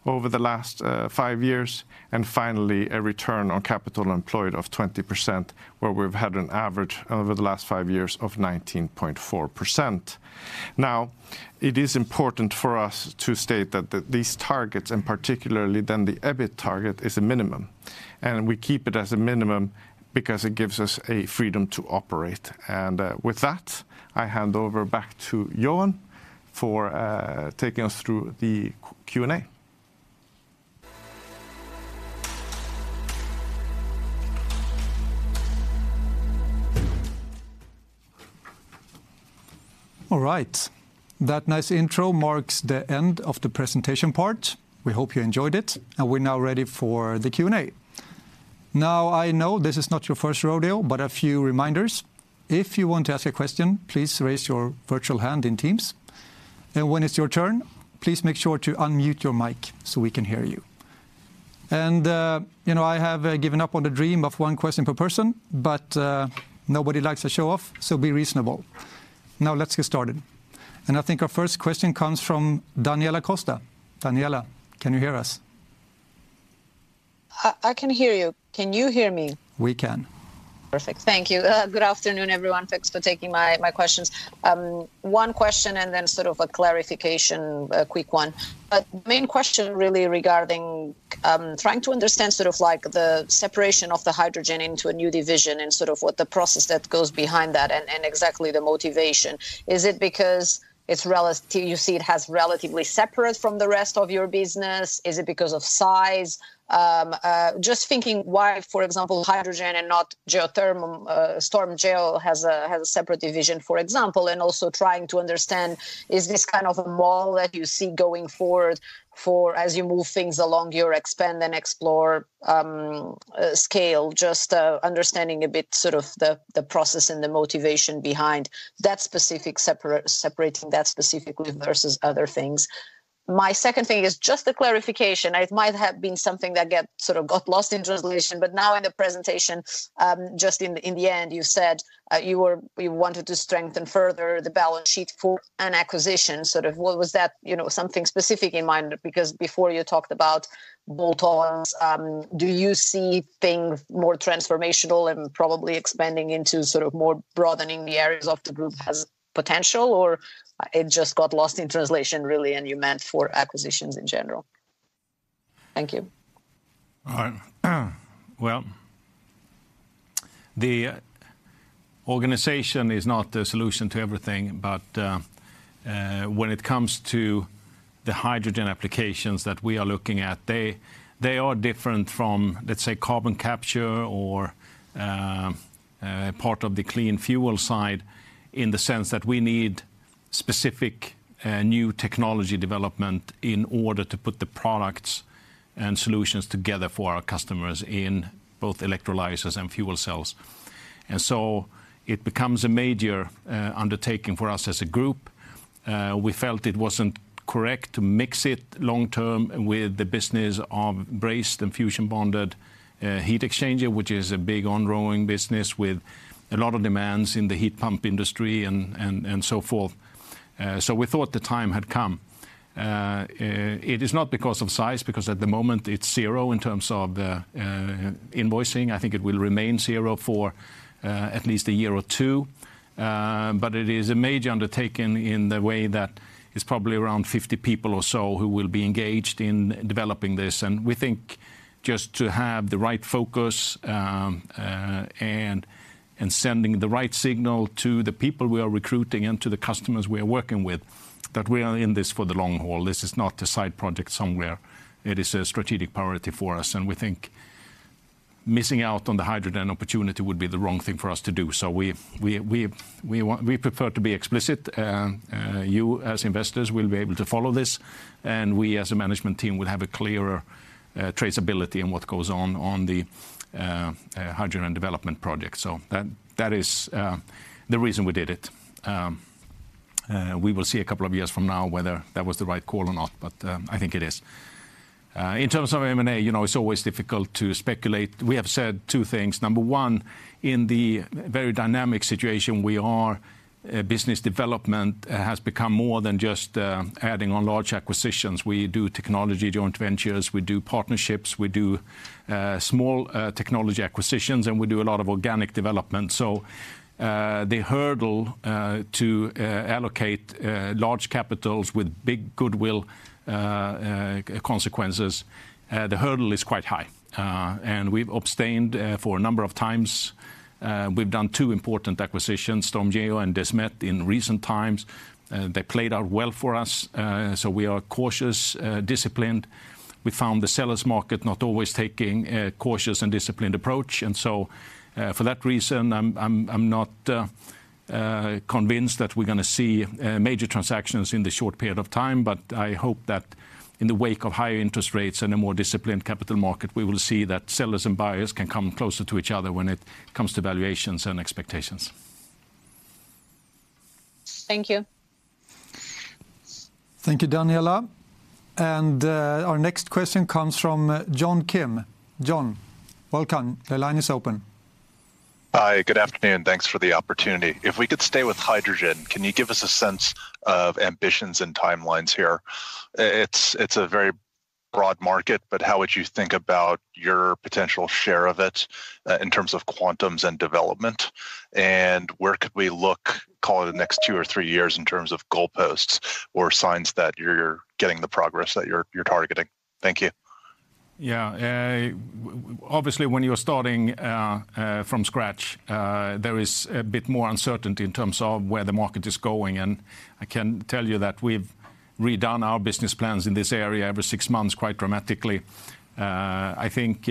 over the last 5 years. And finally, a return on capital employed of 20%, where we've had an average over the last 5 years of 19.4%. Now, it is important for us to state that these targets, and particularly then the EBIT target, is a minimum, and we keep it as a minimum because it gives us a freedom to operate. With that, I hand over back to Johan for taking us through the Q&A. All right. That nice intro marks the end of the presentation part. We hope you enjoyed it, and we're now ready for the Q&A. Now, I know this is not your first rodeo, but a few reminders. If you want to ask a question, please raise your virtual hand in Teams. And when it's your turn, please make sure to unmute your mic so we can hear you. And, you know, I have given up on the dream of one question per person, but, nobody likes to show off, so be reasonable. Now, let's get started. And I think our first question comes from Daniela Costa. Daniela, can you hear us? I can hear you. Can you hear me? We can. Perfect. Thank you. Good afternoon, everyone. Thanks for taking my, my questions. One question and then sort of a clarification, a quick one. But main question really regarding trying to understand sort of like the separation of the hydrogen into a new division and sort of what the process that goes behind that and, and exactly the motivation. Is it because it's you see it has relatively separate from the rest of your business? Is it because of size? Just thinking why, for example, hydrogen and not geothermal, StormGeo, has a separate division, for example, and also trying to understand, is this kind of a model that you see going forward for as you move things along your expand and explore scale? Just understanding a bit sort of the process and the motivation behind that specific separating that specifically versus other things. My second thing is just a clarification. It might have been something that got sort of got lost in translation, but now in the presentation, just in the end, you said you wanted to strengthen further the balance sheet for an acquisition. Sort of what was that, you know, something specific in mind? Because before you talked about bolt-ons. Do you see things more transformational and probably expanding into sort of more broadening the areas of the group has potential, or it just got lost in translation, really, and you meant for acquisitions in general? Thank you. All right. Well, the organization is not the solution to everything, but when it comes to the hydrogen applications that we are looking at, they are different from, let's say, carbon capture or part of the clean fuel side, in the sense that we need specific new technology development in order to put the products and solutions together for our customers in both electrolyzers and fuel cells. And so it becomes a major undertaking for us as a group. We felt it wasn't correct to mix it long term with the business of brazed and fusion bonded heat exchanger, which is a big ongoing business with a lot of demands in the heat pump industry and so forth. So we thought the time had come. It is not because of size, because at the moment it's zero in terms of invoicing. I think it will remain zero for at least a year or two. But it is a major undertaking in the way that it's probably around 50 people or so who will be engaged in developing this. And we think just to have the right focus, and sending the right signal to the people we are recruiting and to the customers we are working with, that we are in this for the long haul. This is not a side project somewhere. It is a strategic priority for us, and we think missing out on the hydrogen opportunity would be the wrong thing for us to do. So we prefer to be explicit. You, as investors, will be able to follow this, and we, as a management team, will have a clearer traceability in what goes on on the hydrogen development project. So that, that is the reason we did it. We will see a couple of years from now whether that was the right call or not, but I think it is. In terms of M&A, you know, it's always difficult to speculate. We have said two things. Number one, in the very dynamic situation we are, business development has become more than just adding on large acquisitions. We do technology joint ventures, we do partnerships, we do small technology acquisitions, and we do a lot of organic development. So, the hurdle to allocate large capitals with big goodwill consequences, the hurdle is quite high. And we've abstained for a number of times. We've done two important acquisitions, StormGeo and Desmet, in recent times, that played out well for us. So we are cautious, disciplined. We found the sellers market not always taking a cautious and disciplined approach. And so, for that reason, I'm not convinced that we're gonna see major transactions in the short period of time, but I hope that in the wake of higher interest rates and a more disciplined capital market, we will see that sellers and buyers can come closer to each other when it comes to valuations and expectations. Thank you. Thank you, Daniela. Our next question comes from John Kim. John, welcome. The line is open. Hi, good afternoon. Thanks for the opportunity. If we could stay with hydrogen, can you give us a sense of ambitions and timelines here? It's a very broad market, but how would you think about your potential share of it in terms of quantums and development? And where could we look, call it the next two or three years, in terms of goalposts or signs that you're getting the progress that you're targeting? Thank you. Yeah, obviously, when you're starting from scratch, there is a bit more uncertainty in terms of where the market is going, and I can tell you that we've redone our business plans in this area every six months, quite dramatically. I think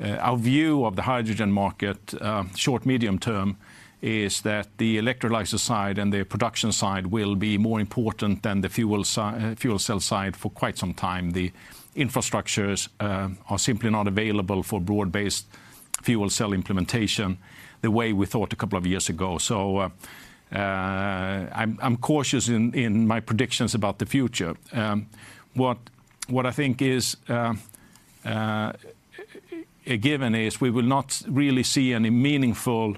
our view of the hydrogen market short, medium term, is that the electrolysis side and the production side will be more important than the fuel cell side for quite some time. The infrastructures are simply not available for broad-based fuel cell implementation the way we thought a couple of years ago. So, I'm cautious in my predictions about the future. What I think is a given is we will not really see any meaningful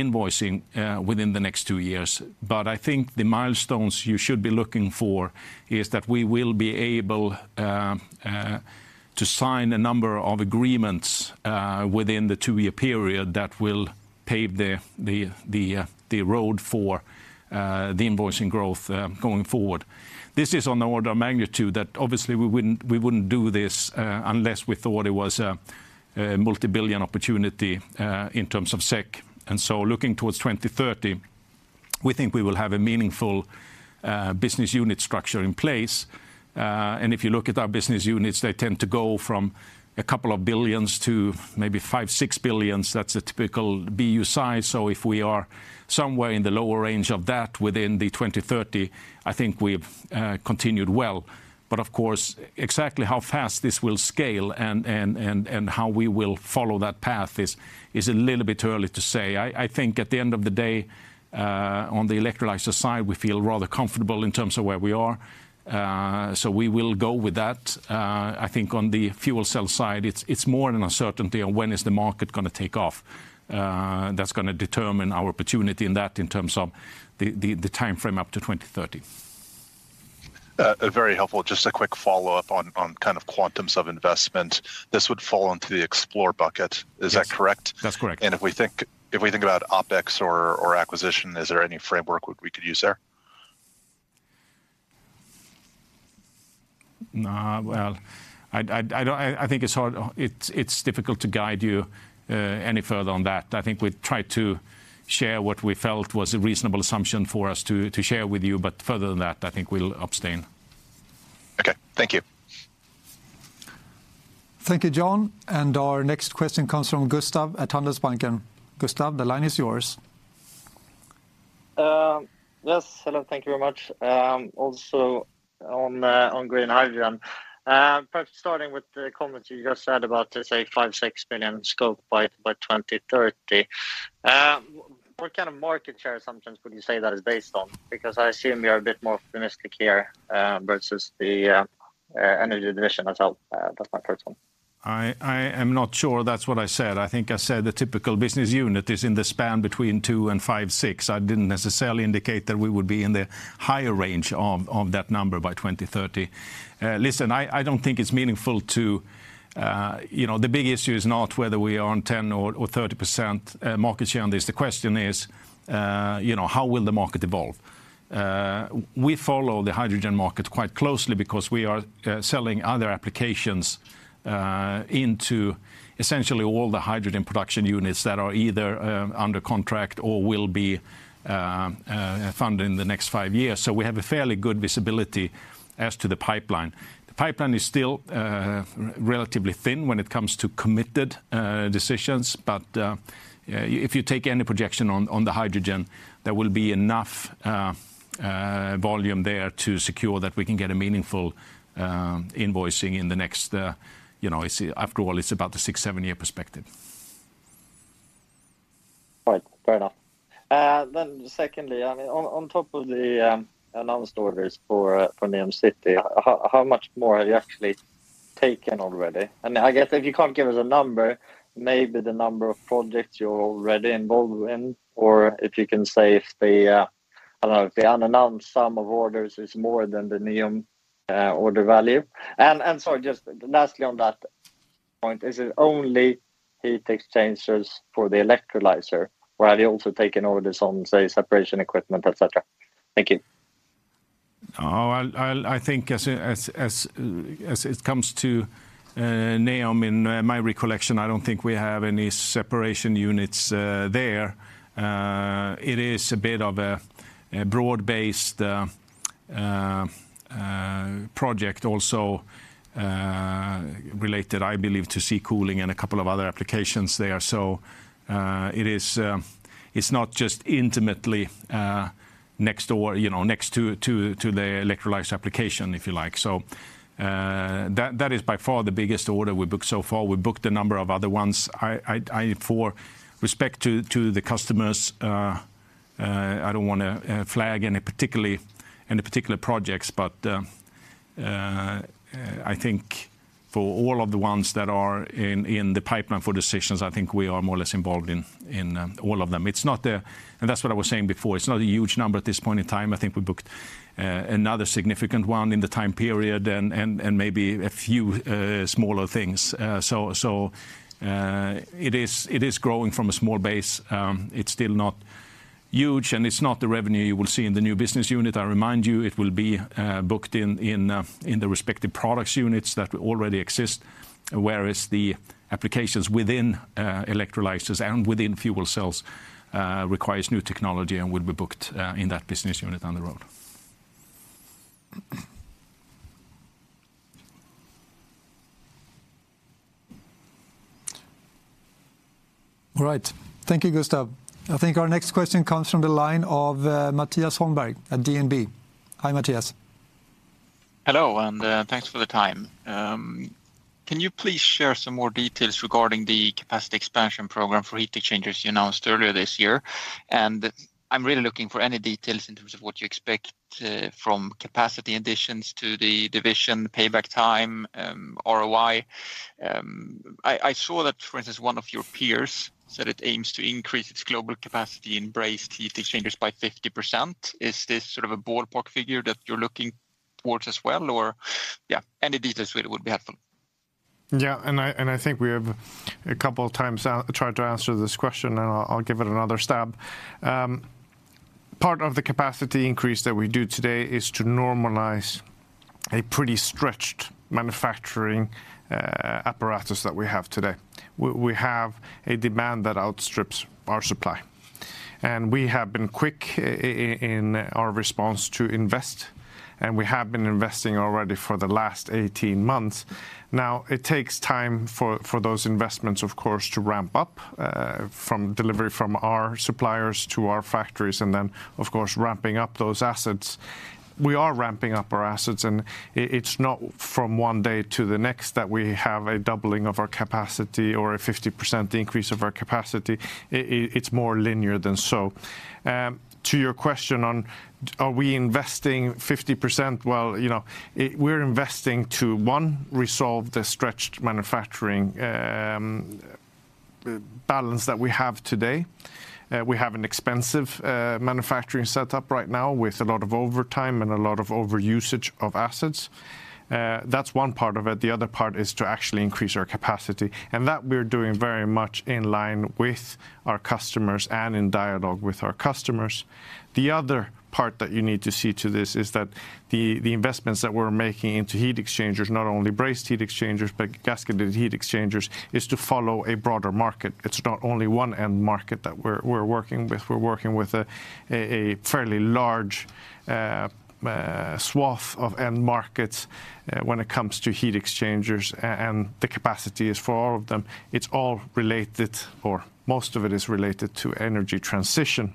invoicing within the next two years. But I think the milestones you should be looking for is that we will be able to sign a number of agreements within the two-year period that will pave the road for the invoicing growth going forward. This is on the order of magnitude that obviously we wouldn't, we wouldn't do this unless we thought it was a multi-billion opportunity in terms of SEK. And so looking toward 2030, we think we will have a meaningful business unit structure in place. And if you look at our business units, they tend to go from a couple of billions to maybe 5 billion-6 billion SEK. That's a typical BU size. So if we are somewhere in the lower range of that within 2030, I think we've continued well. But of course, exactly how fast this will scale and how we will follow that path is a little bit early to say. I think at the end of the day, on the electrolysis side, we feel rather comfortable in terms of where we are. So we will go with that. I think on the fuel cell side, it's more an uncertainty on when is the market gonna take off. That's gonna determine our opportunity in that in terms of the timeframe up to 2030. Very helpful. Just a quick follow-up on kind of quantums of investment. This would fall into the Explore bucket. Yes. Is that correct? That's correct. If we think about OpEx or acquisition, is there any framework we could use there? Well, I don't. I think it's hard. It's difficult to guide you any further on that. I think we tried to share what we felt was a reasonable assumption for us to share with you, but further than that, I think we'll abstain. Okay. Thank you. Thank you, John. Our next question comes from Gustaf at Handelsbanken. Gustaf, the line is yours. Yes, hello. Thank you very much. Also on green hydrogen. Perhaps starting with the comments you just said about, let's say, 5 billion-6 billion scope by 2030. What kind of market share assumptions would you say that is based on? Because I assume you're a bit more optimistic here versus the Energy division itself. That's my first one. I am not sure that's what I said. I think I said the typical business unit is in the span between 2 and 5, 6. I didn't necessarily indicate that we would be in the higher range of that number by 2030. Listen, I don't think it's meaningful to. You know, the big issue is not whether we are on 10 or 30% market share on this. The question is, you know, how will the market evolve? We follow the hydrogen market quite closely because we are selling other applications into essentially all the hydrogen production units that are either under contract or will be funded in the next 5 years. So we have a fairly good visibility as to the pipeline. The pipeline is still relatively thin when it comes to committed decisions, but if you take any projection on the hydrogen, there will be enough volume there to secure that we can get a meaningful invoicing in the next, you know, after all, it's about the 6-7-year perspective. Right, fair enough. Then secondly, I mean, on top of the announced orders for Neom City, how much more have you actually taken already? And I guess if you can't give us a number, maybe the number of projects you're already involved in, or if you can say if the unannounced sum of orders is more than the Neom order value. And sorry, just lastly on that point, is it only heat exchangers for the electrolyzer, or have you also taken orders on, say, separation equipment, et cetera? Thank you. Oh, I think as it comes to Neom, in my recollection, I don't think we have any separation units there. It is a bit of a broad-based project also related, I believe, to sea cooling and a couple of other applications there. So, it is, it's not just intimately next door, you know, next to the electrolyzer application, if you like. So, that is by far the biggest order we booked so far. We booked a number of other ones. I, with respect to the customers, I don't wanna flag any particular projects. But, I think for all of the ones that are in the pipeline for decisions, I think we are more or less involved in all of them. It's not the... And that's what I was saying before, it's not a huge number at this point in time. I think we booked another significant one in the time period and maybe a few smaller things. So, it is growing from a small base. It's still not huge, and it's not the revenue you will see in the new business unit. I remind you, it will be booked in the respective products units that already exist, whereas the applications within electrolysis and within fuel cells requires new technology and will be booked in that business unit down the road. All right. Thank you, Gustaf. I think our next question comes from the line of Mattias Holmberg at DNB. Hi, Mattias. Hello, and thanks for the time. Can you please share some more details regarding the capacity expansion program for heat exchangers you announced earlier this year? And I'm really looking for any details in terms of what you expect from capacity additions to the division, payback time, ROI. I saw that, for instance, one of your peers said it aims to increase its global capacity in brazed heat exchangers by 50%. Is this sort of a ballpark figure that you're looking towards as well? Or, yeah, any details really would be helpful. Yeah, and I think we have a couple of times tried to answer this question, and I'll give it another stab. Part of the capacity increase that we do today is to normalize a pretty stretched manufacturing apparatus that we have today. We have a demand that outstrips our supply, and we have been quick in our response to invest, and we have been investing already for the last 18 months. Now, it takes time for those investments, of course, to ramp up from delivery from our suppliers to our factories, and then, of course, ramping up those assets. We are ramping up our assets, and it's not from one day to the next that we have a doubling of our capacity or a 50% increase of our capacity. It's more linear than so. To your question on are we investing 50%? Well, you know, we're investing to, one, resolve the stretched manufacturing balance that we have today. We have an expensive manufacturing setup right now with a lot of overtime and a lot of overusage of assets. That's one part of it. The other part is to actually increase our capacity, and that we're doing very much in line with our customers and in dialogue with our customers. The other part that you need to see to this is that the investments that we're making into heat exchangers, not only brazed heat exchangers, but gasketed heat exchangers, is to follow a broader market. It's not only one end market that we're working with. We're working with a fairly large swath of end markets when it comes to heat exchangers, and the capacity is for all of them. It's all related, or most of it is related to energy transition.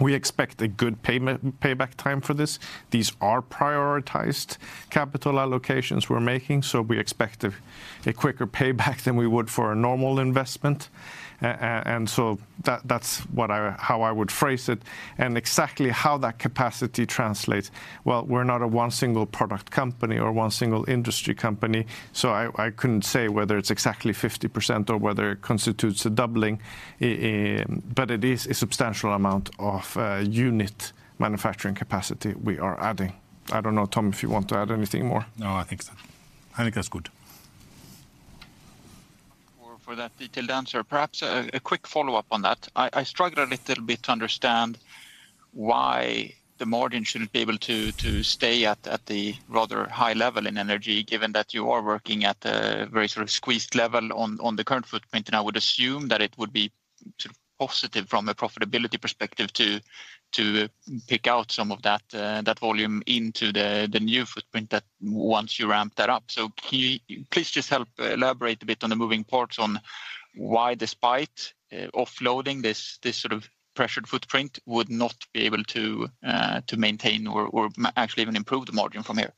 We expect a good payback time for this. These are prioritized capital allocations we're making, so we expect a quicker payback than we would for a normal investment. And so that's how I would phrase it. And exactly how that capacity translates, well, we're not a one single product company or one single industry company, so I couldn't say whether it's exactly 50% or whether it constitutes a doubling, but it is a substantial amount of unit manufacturing capacity we are adding. I don't know, Tom, if you want to add anything more. No, I think so. I think that's good. For that detailed answer, perhaps a quick follow-up on that. I struggle a little bit to understand why the margin shouldn't be able to stay at the rather high level in Energy, given that you are working at a very sort of squeezed level on the current footprint. And I would assume that it would be sort of positive from a profitability perspective to pick out some of that volume into the new footprint that once you ramp that up. So can you please just help elaborate a bit on the moving parts on why despite offloading this sort of pressured footprint would not be able to maintain or actually even improve the margin from here?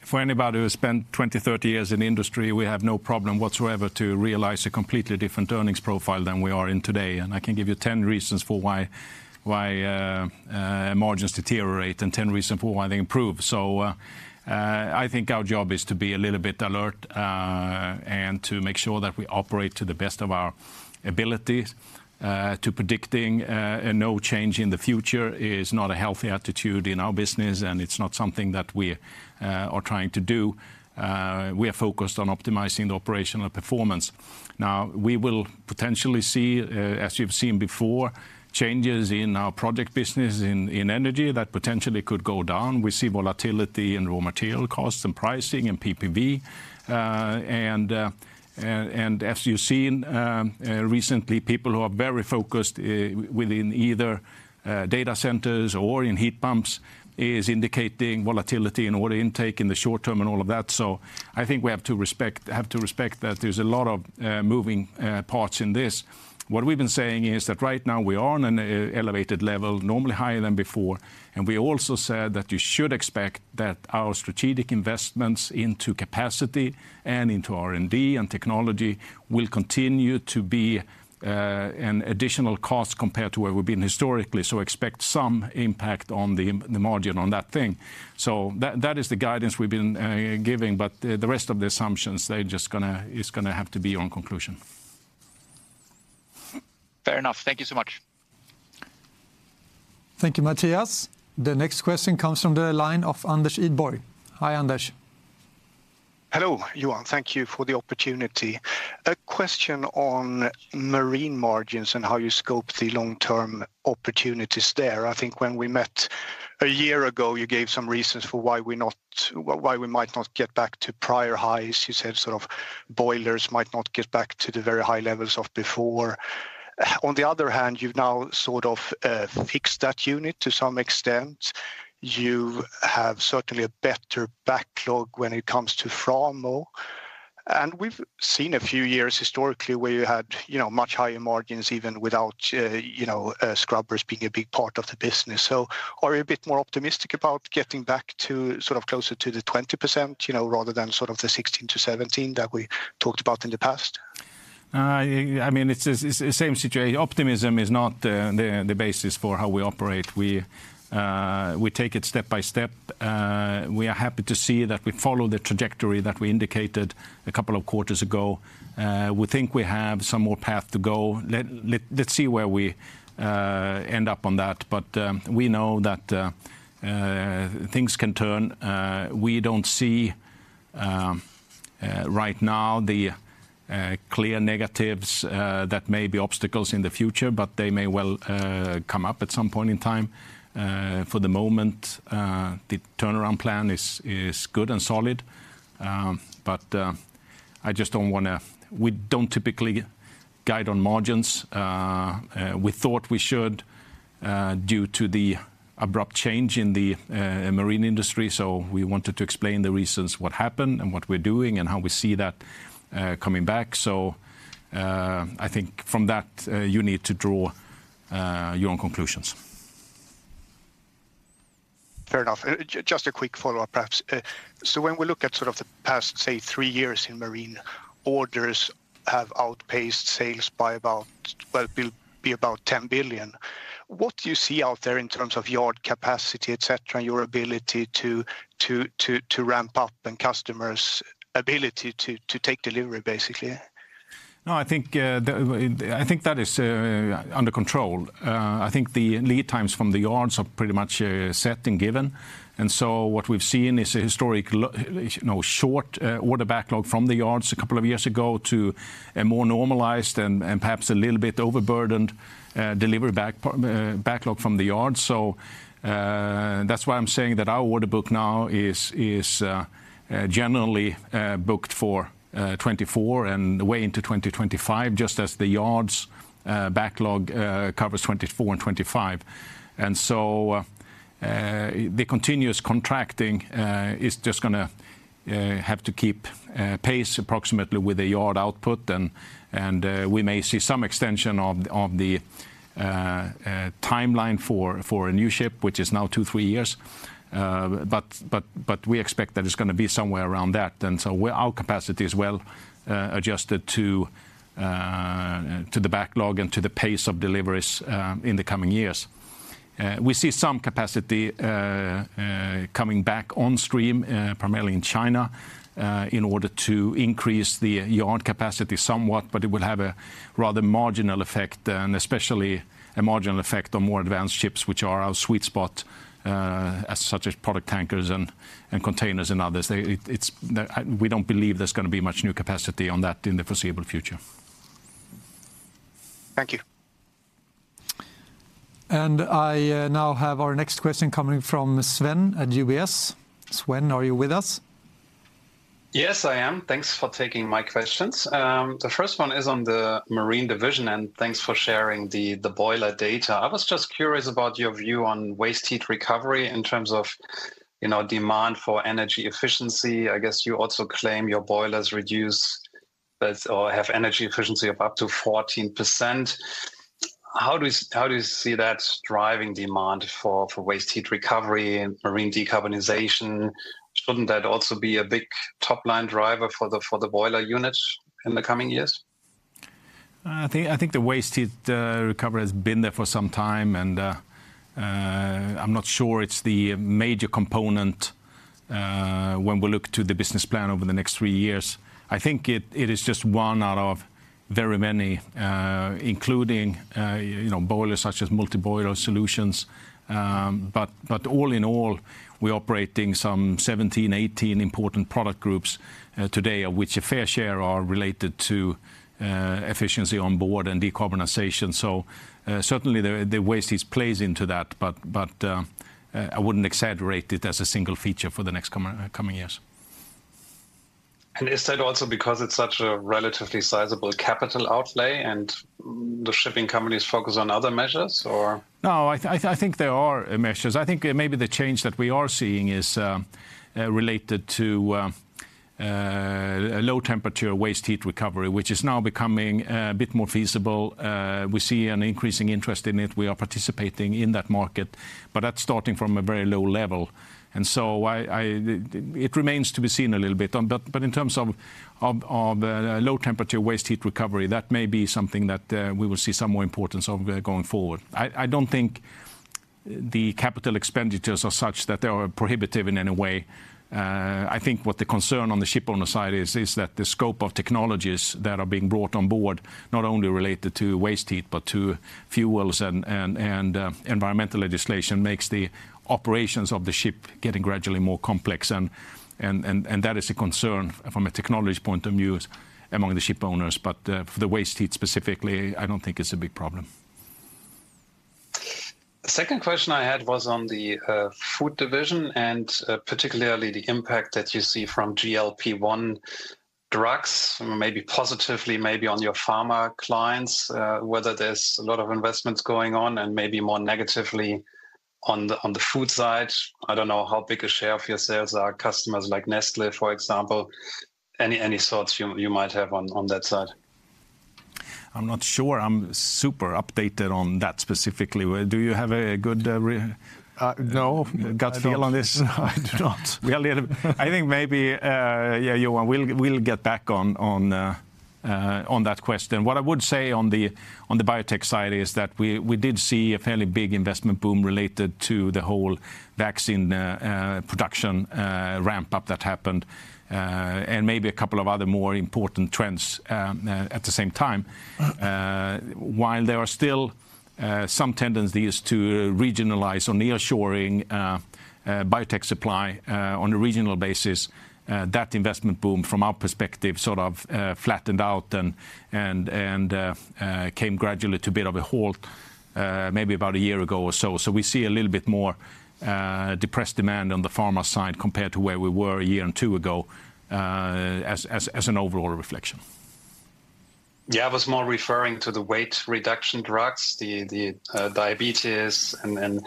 For anybody who has spent 20, 30 years in the industry, we have no problem whatsoever to realize a completely different earnings profile than we are in today. And I can give you 10 reasons for why, why, margins deteriorate and 10 reasons for why they improve. So, I think our job is to be a little bit alert, and to make sure that we operate to the best of our ability, to predicting, and no change in the future is not a healthy attitude in our business, and it's not something that we are trying to do. We are focused on optimizing the operational performance. Now, we will potentially see, as you've seen before, changes in our project business in, in Energy that potentially could go down. We see volatility in raw material costs and pricing and PPV. As you've seen, recently, people who are very focused within either data centers or in heat pumps is indicating volatility in order intake in the short term and all of that. So I think we have to respect, have to respect that there's a lot of moving parts in this. What we've been saying is that right now we are on an elevated level, normally higher than before. And we also said that you should expect that our strategic investments into capacity and into R&D and technology will continue to be an additional cost compared to where we've been historically. So expect some impact on the margin on that thing. So that is the guidance we've been giving, but the rest of the assumptions, they're just gonna have to be your own conclusion. Fair enough. Thank you so much. Thank you, Mattias. The next question comes from the line of Anders Idborg. Hi, Anders. Hello, Johan. Thank you for the opportunity. A question on Marine margins and how you scope the long-term opportunities there. I think when we met a year ago, you gave some reasons for why we might not get back to prior highs. On the other hand, you've now sort of fixed that unit to some extent. You have certainly a better backlog when it comes to Framo, and we've seen a few years historically where you had, you know, much higher margins, even without, you know, scrubbers being a big part of the business. Are you a bit more optimistic about getting back to sort of closer to the 20%, you know, rather than sort of the 16%-17% that we talked about in the past? I mean, it's the same situation. Optimism is not the basis for how we operate. We take it step by step. We are happy to see that we follow the trajectory that we indicated a couple of quarters ago. We think we have some more path to go. Let's see where we end up on that. But we know that things can turn. We don't see right now the clear negatives that may be obstacles in the future, but they may well come up at some point in time. For the moment, the turnaround plan is good and solid. But I just don't wanna. We don't typically guide on margins. We thought we should, due to the abrupt change in the marine industry, so we wanted to explain the reasons what happened and what we're doing and how we see that coming back. So, I think from that, you need to draw your own conclusions. Fair enough. Just a quick follow-up, perhaps. So when we look at sort of the past, say, three years in Marine, orders have outpaced sales by about, well, it will be about 10 billion. What do you see out there in terms of yard capacity, et cetera, and your ability to ramp up and customers' ability to take delivery, basically? No, I think, I think that is under control. I think the lead times from the yards are pretty much set and given. And so what we've seen is a historic low, you know, short order backlog from the yards a couple of years ago to a more normalized and, and perhaps a little bit overburdened delivery backlog from the yard. So, that's why I'm saying that our order book now is, is generally booked for 2024 and way into 2025, just as the yards' backlog covers 2024 and 2025. And so, the continuous contracting is just gonna have to keep pace approximately with the yard output, and we may see some extension of the timeline for a new ship, which is now 2-3 years. But we expect that it's gonna be somewhere around that. And so our capacity is well adjusted to the backlog and to the pace of deliveries in the coming years. We see some capacity coming back on stream, primarily in China, in order to increase the yard capacity somewhat, but it will have a rather marginal effect, and especially a marginal effect on more advanced ships, which are our sweet spot, as such as product tankers and containers and others. It, it's, we don't believe there's gonna be much new capacity on that in the foreseeable future. Thank you. I now have our next question coming from Sven at UBS. Sven, are you with us? Yes, I am. Thanks for taking my questions. The first one is on the Marine division, and thanks for sharing the, the boiler data. I was just curious about your view on waste heat recovery in terms of, you know, demand for energy efficiency. I guess you also claim your boilers reduce as, or have energy efficiency of up to 14%. How do you, how do you see that driving demand for, for waste heat recovery and marine decarbonization? Shouldn't that also be a big top-line driver for the, for the boiler units in the coming years? I think the waste heat recovery has been there for some time, and I'm not sure it's the major component when we look to the business plan over the next three years. I think it is just one out of very many, including you know, boilers such as multi-boiler solutions. But all in all, we're operating some 17, 18 important product groups today, of which a fair share are related to efficiency on board and decarbonization. So certainly the waste heat plays into that, but I wouldn't exaggerate it as a single feature for the next coming years. Is that also because it's such a relatively sizable capital outlay, and the shipping companies focus on other measures, or? No, I think there are measures. I think maybe the change that we are seeing is related to low temperature waste heat recovery, which is now becoming a bit more feasible. We see an increasing interest in it. We are participating in that market, but that's starting from a very low level. And so I... It remains to be seen a little bit. But in terms of low temperature waste heat recovery, that may be something that we will see some more importance of going forward. I don't think the capital expenditures are such that they are prohibitive in any way. I think what the concern on the shipowner side is that the scope of technologies that are being brought on board, not only related to waste heat, but to fuels and environmental legislation, makes the operations of the ship getting gradually more complex. And that is a concern from a technology point of view among the shipowners. But for the waste heat specifically, I don't think it's a big problem. The second question I had was on the food division, and particularly the impact that you see from GLP-1 drugs, maybe positively, maybe on your pharma clients, whether there's a lot of investments going on, and maybe more negatively on the food side. I don't know how big a share of your sales are customers like Nestlé, for example. Any thoughts you might have on that side? I'm not sure I'm super updated on that specifically. Well, do you have a good re- Uh, no. Gut feel on this? I do not. Well, yeah, I think maybe, yeah, Johan, we'll get back on that question. What I would say on the biotech side is that we did see a fairly big investment boom related to the whole vaccine production ramp up that happened, and maybe a couple of other more important trends at the same time. While there are still some tendencies to regionalize on the assuring biotech supply on a regional basis, that investment boom, from our perspective, sort of flattened out and came gradually to a bit of a halt, maybe about a year ago or so. So we see a little bit more depressed demand on the pharma side compared to where we were a year and two ago as an overall reflection. Yeah, I was more referring to the weight reduction drugs, the diabetes, and then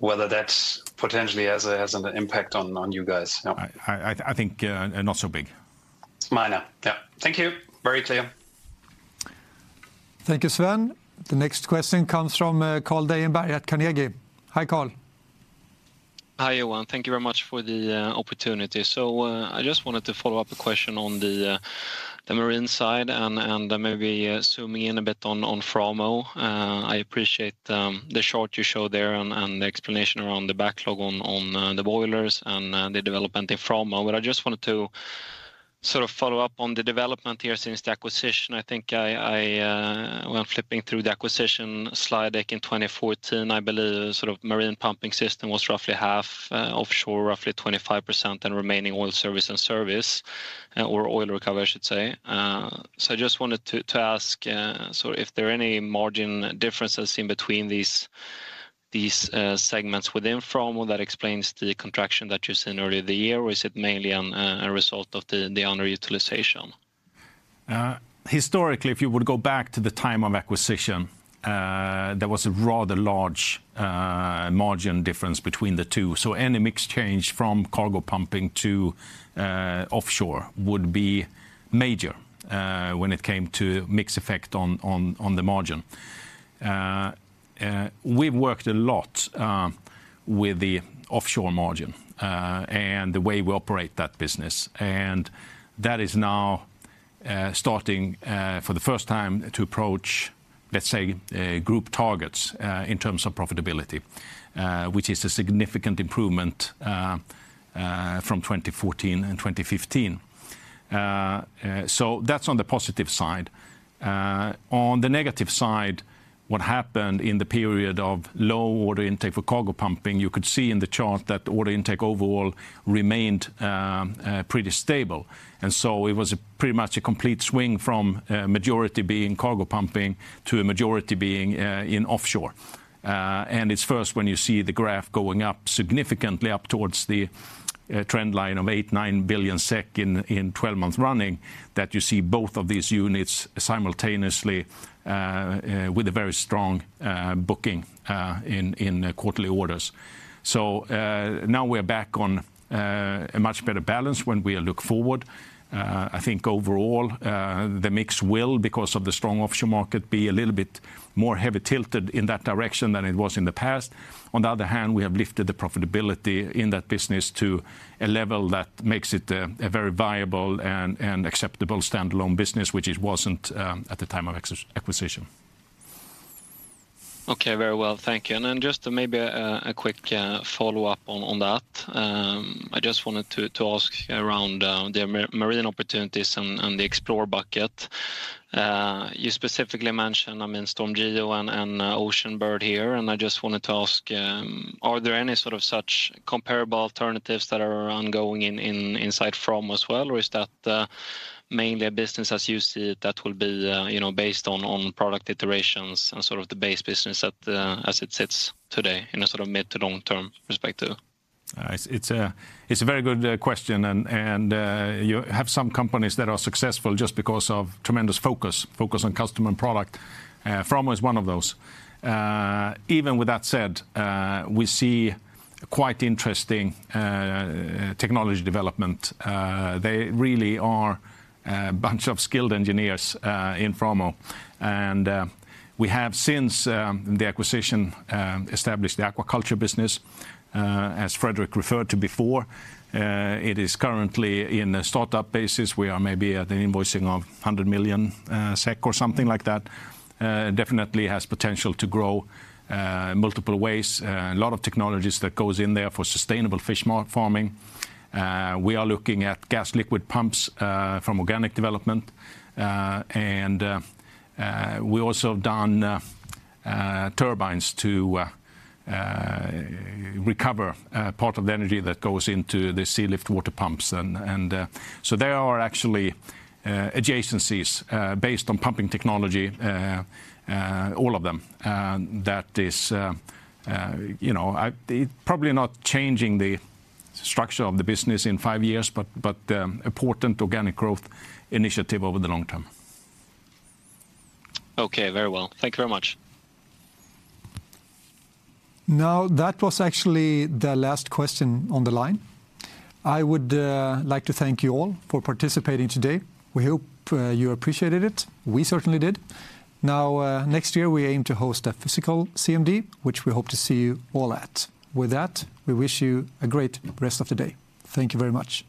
whether that potentially has an impact on you guys. Yeah. I think not so big. It's minor. Yeah. Thank you. Very clear. Thank you, Sven. The next question comes from Carl Deijenberg at Carnegie. Hi, Carl. Hi, Johan. Thank you very much for the opportunity. So, I just wanted to follow up a question on the Marine side and, and, maybe, zooming in a bit on Framo. I appreciate the chart you showed there and, and the explanation around the backlog on the boilers and the development in Framo. But I just wanted to sort of follow up on the development here since the acquisition. I think I, when I'm flipping through the acquisition slide deck in 2014, I believe sort of marine pumping system was roughly half, offshore, roughly 25%, and remaining oil service and service, or oil recovery, I should say. So I just wanted to ask, so if there are any margin differences in between these segments within Framo that explains the contraction that you seen earlier in the year, or is it mainly on a result of the underutilization? Historically, if you would go back to the time of acquisition, there was a rather large margin difference between the two. So any mix change from cargo pumping to offshore would be major when it came to mix effect on the margin. We've worked a lot with the offshore margin and the way we operate that business, and that is now starting for the first time to approach, let's say, group targets in terms of profitability, which is a significant improvement from 2014 and 2015. So that's on the positive side. On the negative side, what happened in the period of low order intake for cargo pumping, you could see in the chart that order intake overall remained pretty stable. It was pretty much a complete swing from majority being cargo pumping to a majority being in offshore. And it's first when you see the graph going up significantly towards the trend line of 8 billion-9 billion SEK in 12 months running, that you see both of these units simultaneously with a very strong booking in quarterly orders. So, now we're back on a much better balance when we look forward. I think overall, the mix will, because of the strong offshore market, be a little bit more heavy tilted in that direction than it was in the past. On the other hand, we have lifted the profitability in that business to a level that makes it a very viable and acceptable standalone business, which it wasn't at the time of acquisition. Okay, very well, thank you. Then just maybe a quick follow-up on that. I just wanted to ask around the Marine opportunities on the Explore bucket. You specifically mentioned, I mean, StormGeo and Oceanbird here, and I just wanted to ask, are there any sort of such comparable alternatives that are ongoing inside Framo as well? Or is that mainly a business as you see it, that will be, you know, based on product iterations and sort of the base business that as it sits today in a sort of mid- to long-term perspective? It's a very good question. And you have some companies that are successful just because of tremendous focus on customer and product, Framo is one of those. Even with that said, we see quite interesting technology development. They really are a bunch of skilled engineers in Framo. And we have since the acquisition established the aquaculture business, as Fredrik referred to before. It is currently in a startup basis. We are maybe at an invoicing of 100 million SEK or something like that. Definitely has potential to grow in multiple ways. A lot of technologies that goes in there for sustainable fish farming. We are looking at gas liquid pumps from organic development. We also have done turbines to recover part of the energy that goes into the sea lift water pumps. So there are actually adjacencies based on pumping technology, all of them. That is, you know, probably not changing the structure of the business in five years, but important organic growth initiative over the long term. Okay, very well. Thank you very much. Now, that was actually the last question on the line. I would like to thank you all for participating today. We hope you appreciated it. We certainly did. Now, next year we aim to host a physical CMD, which we hope to see you all at. With that, we wish you a great rest of the day. Thank you very much.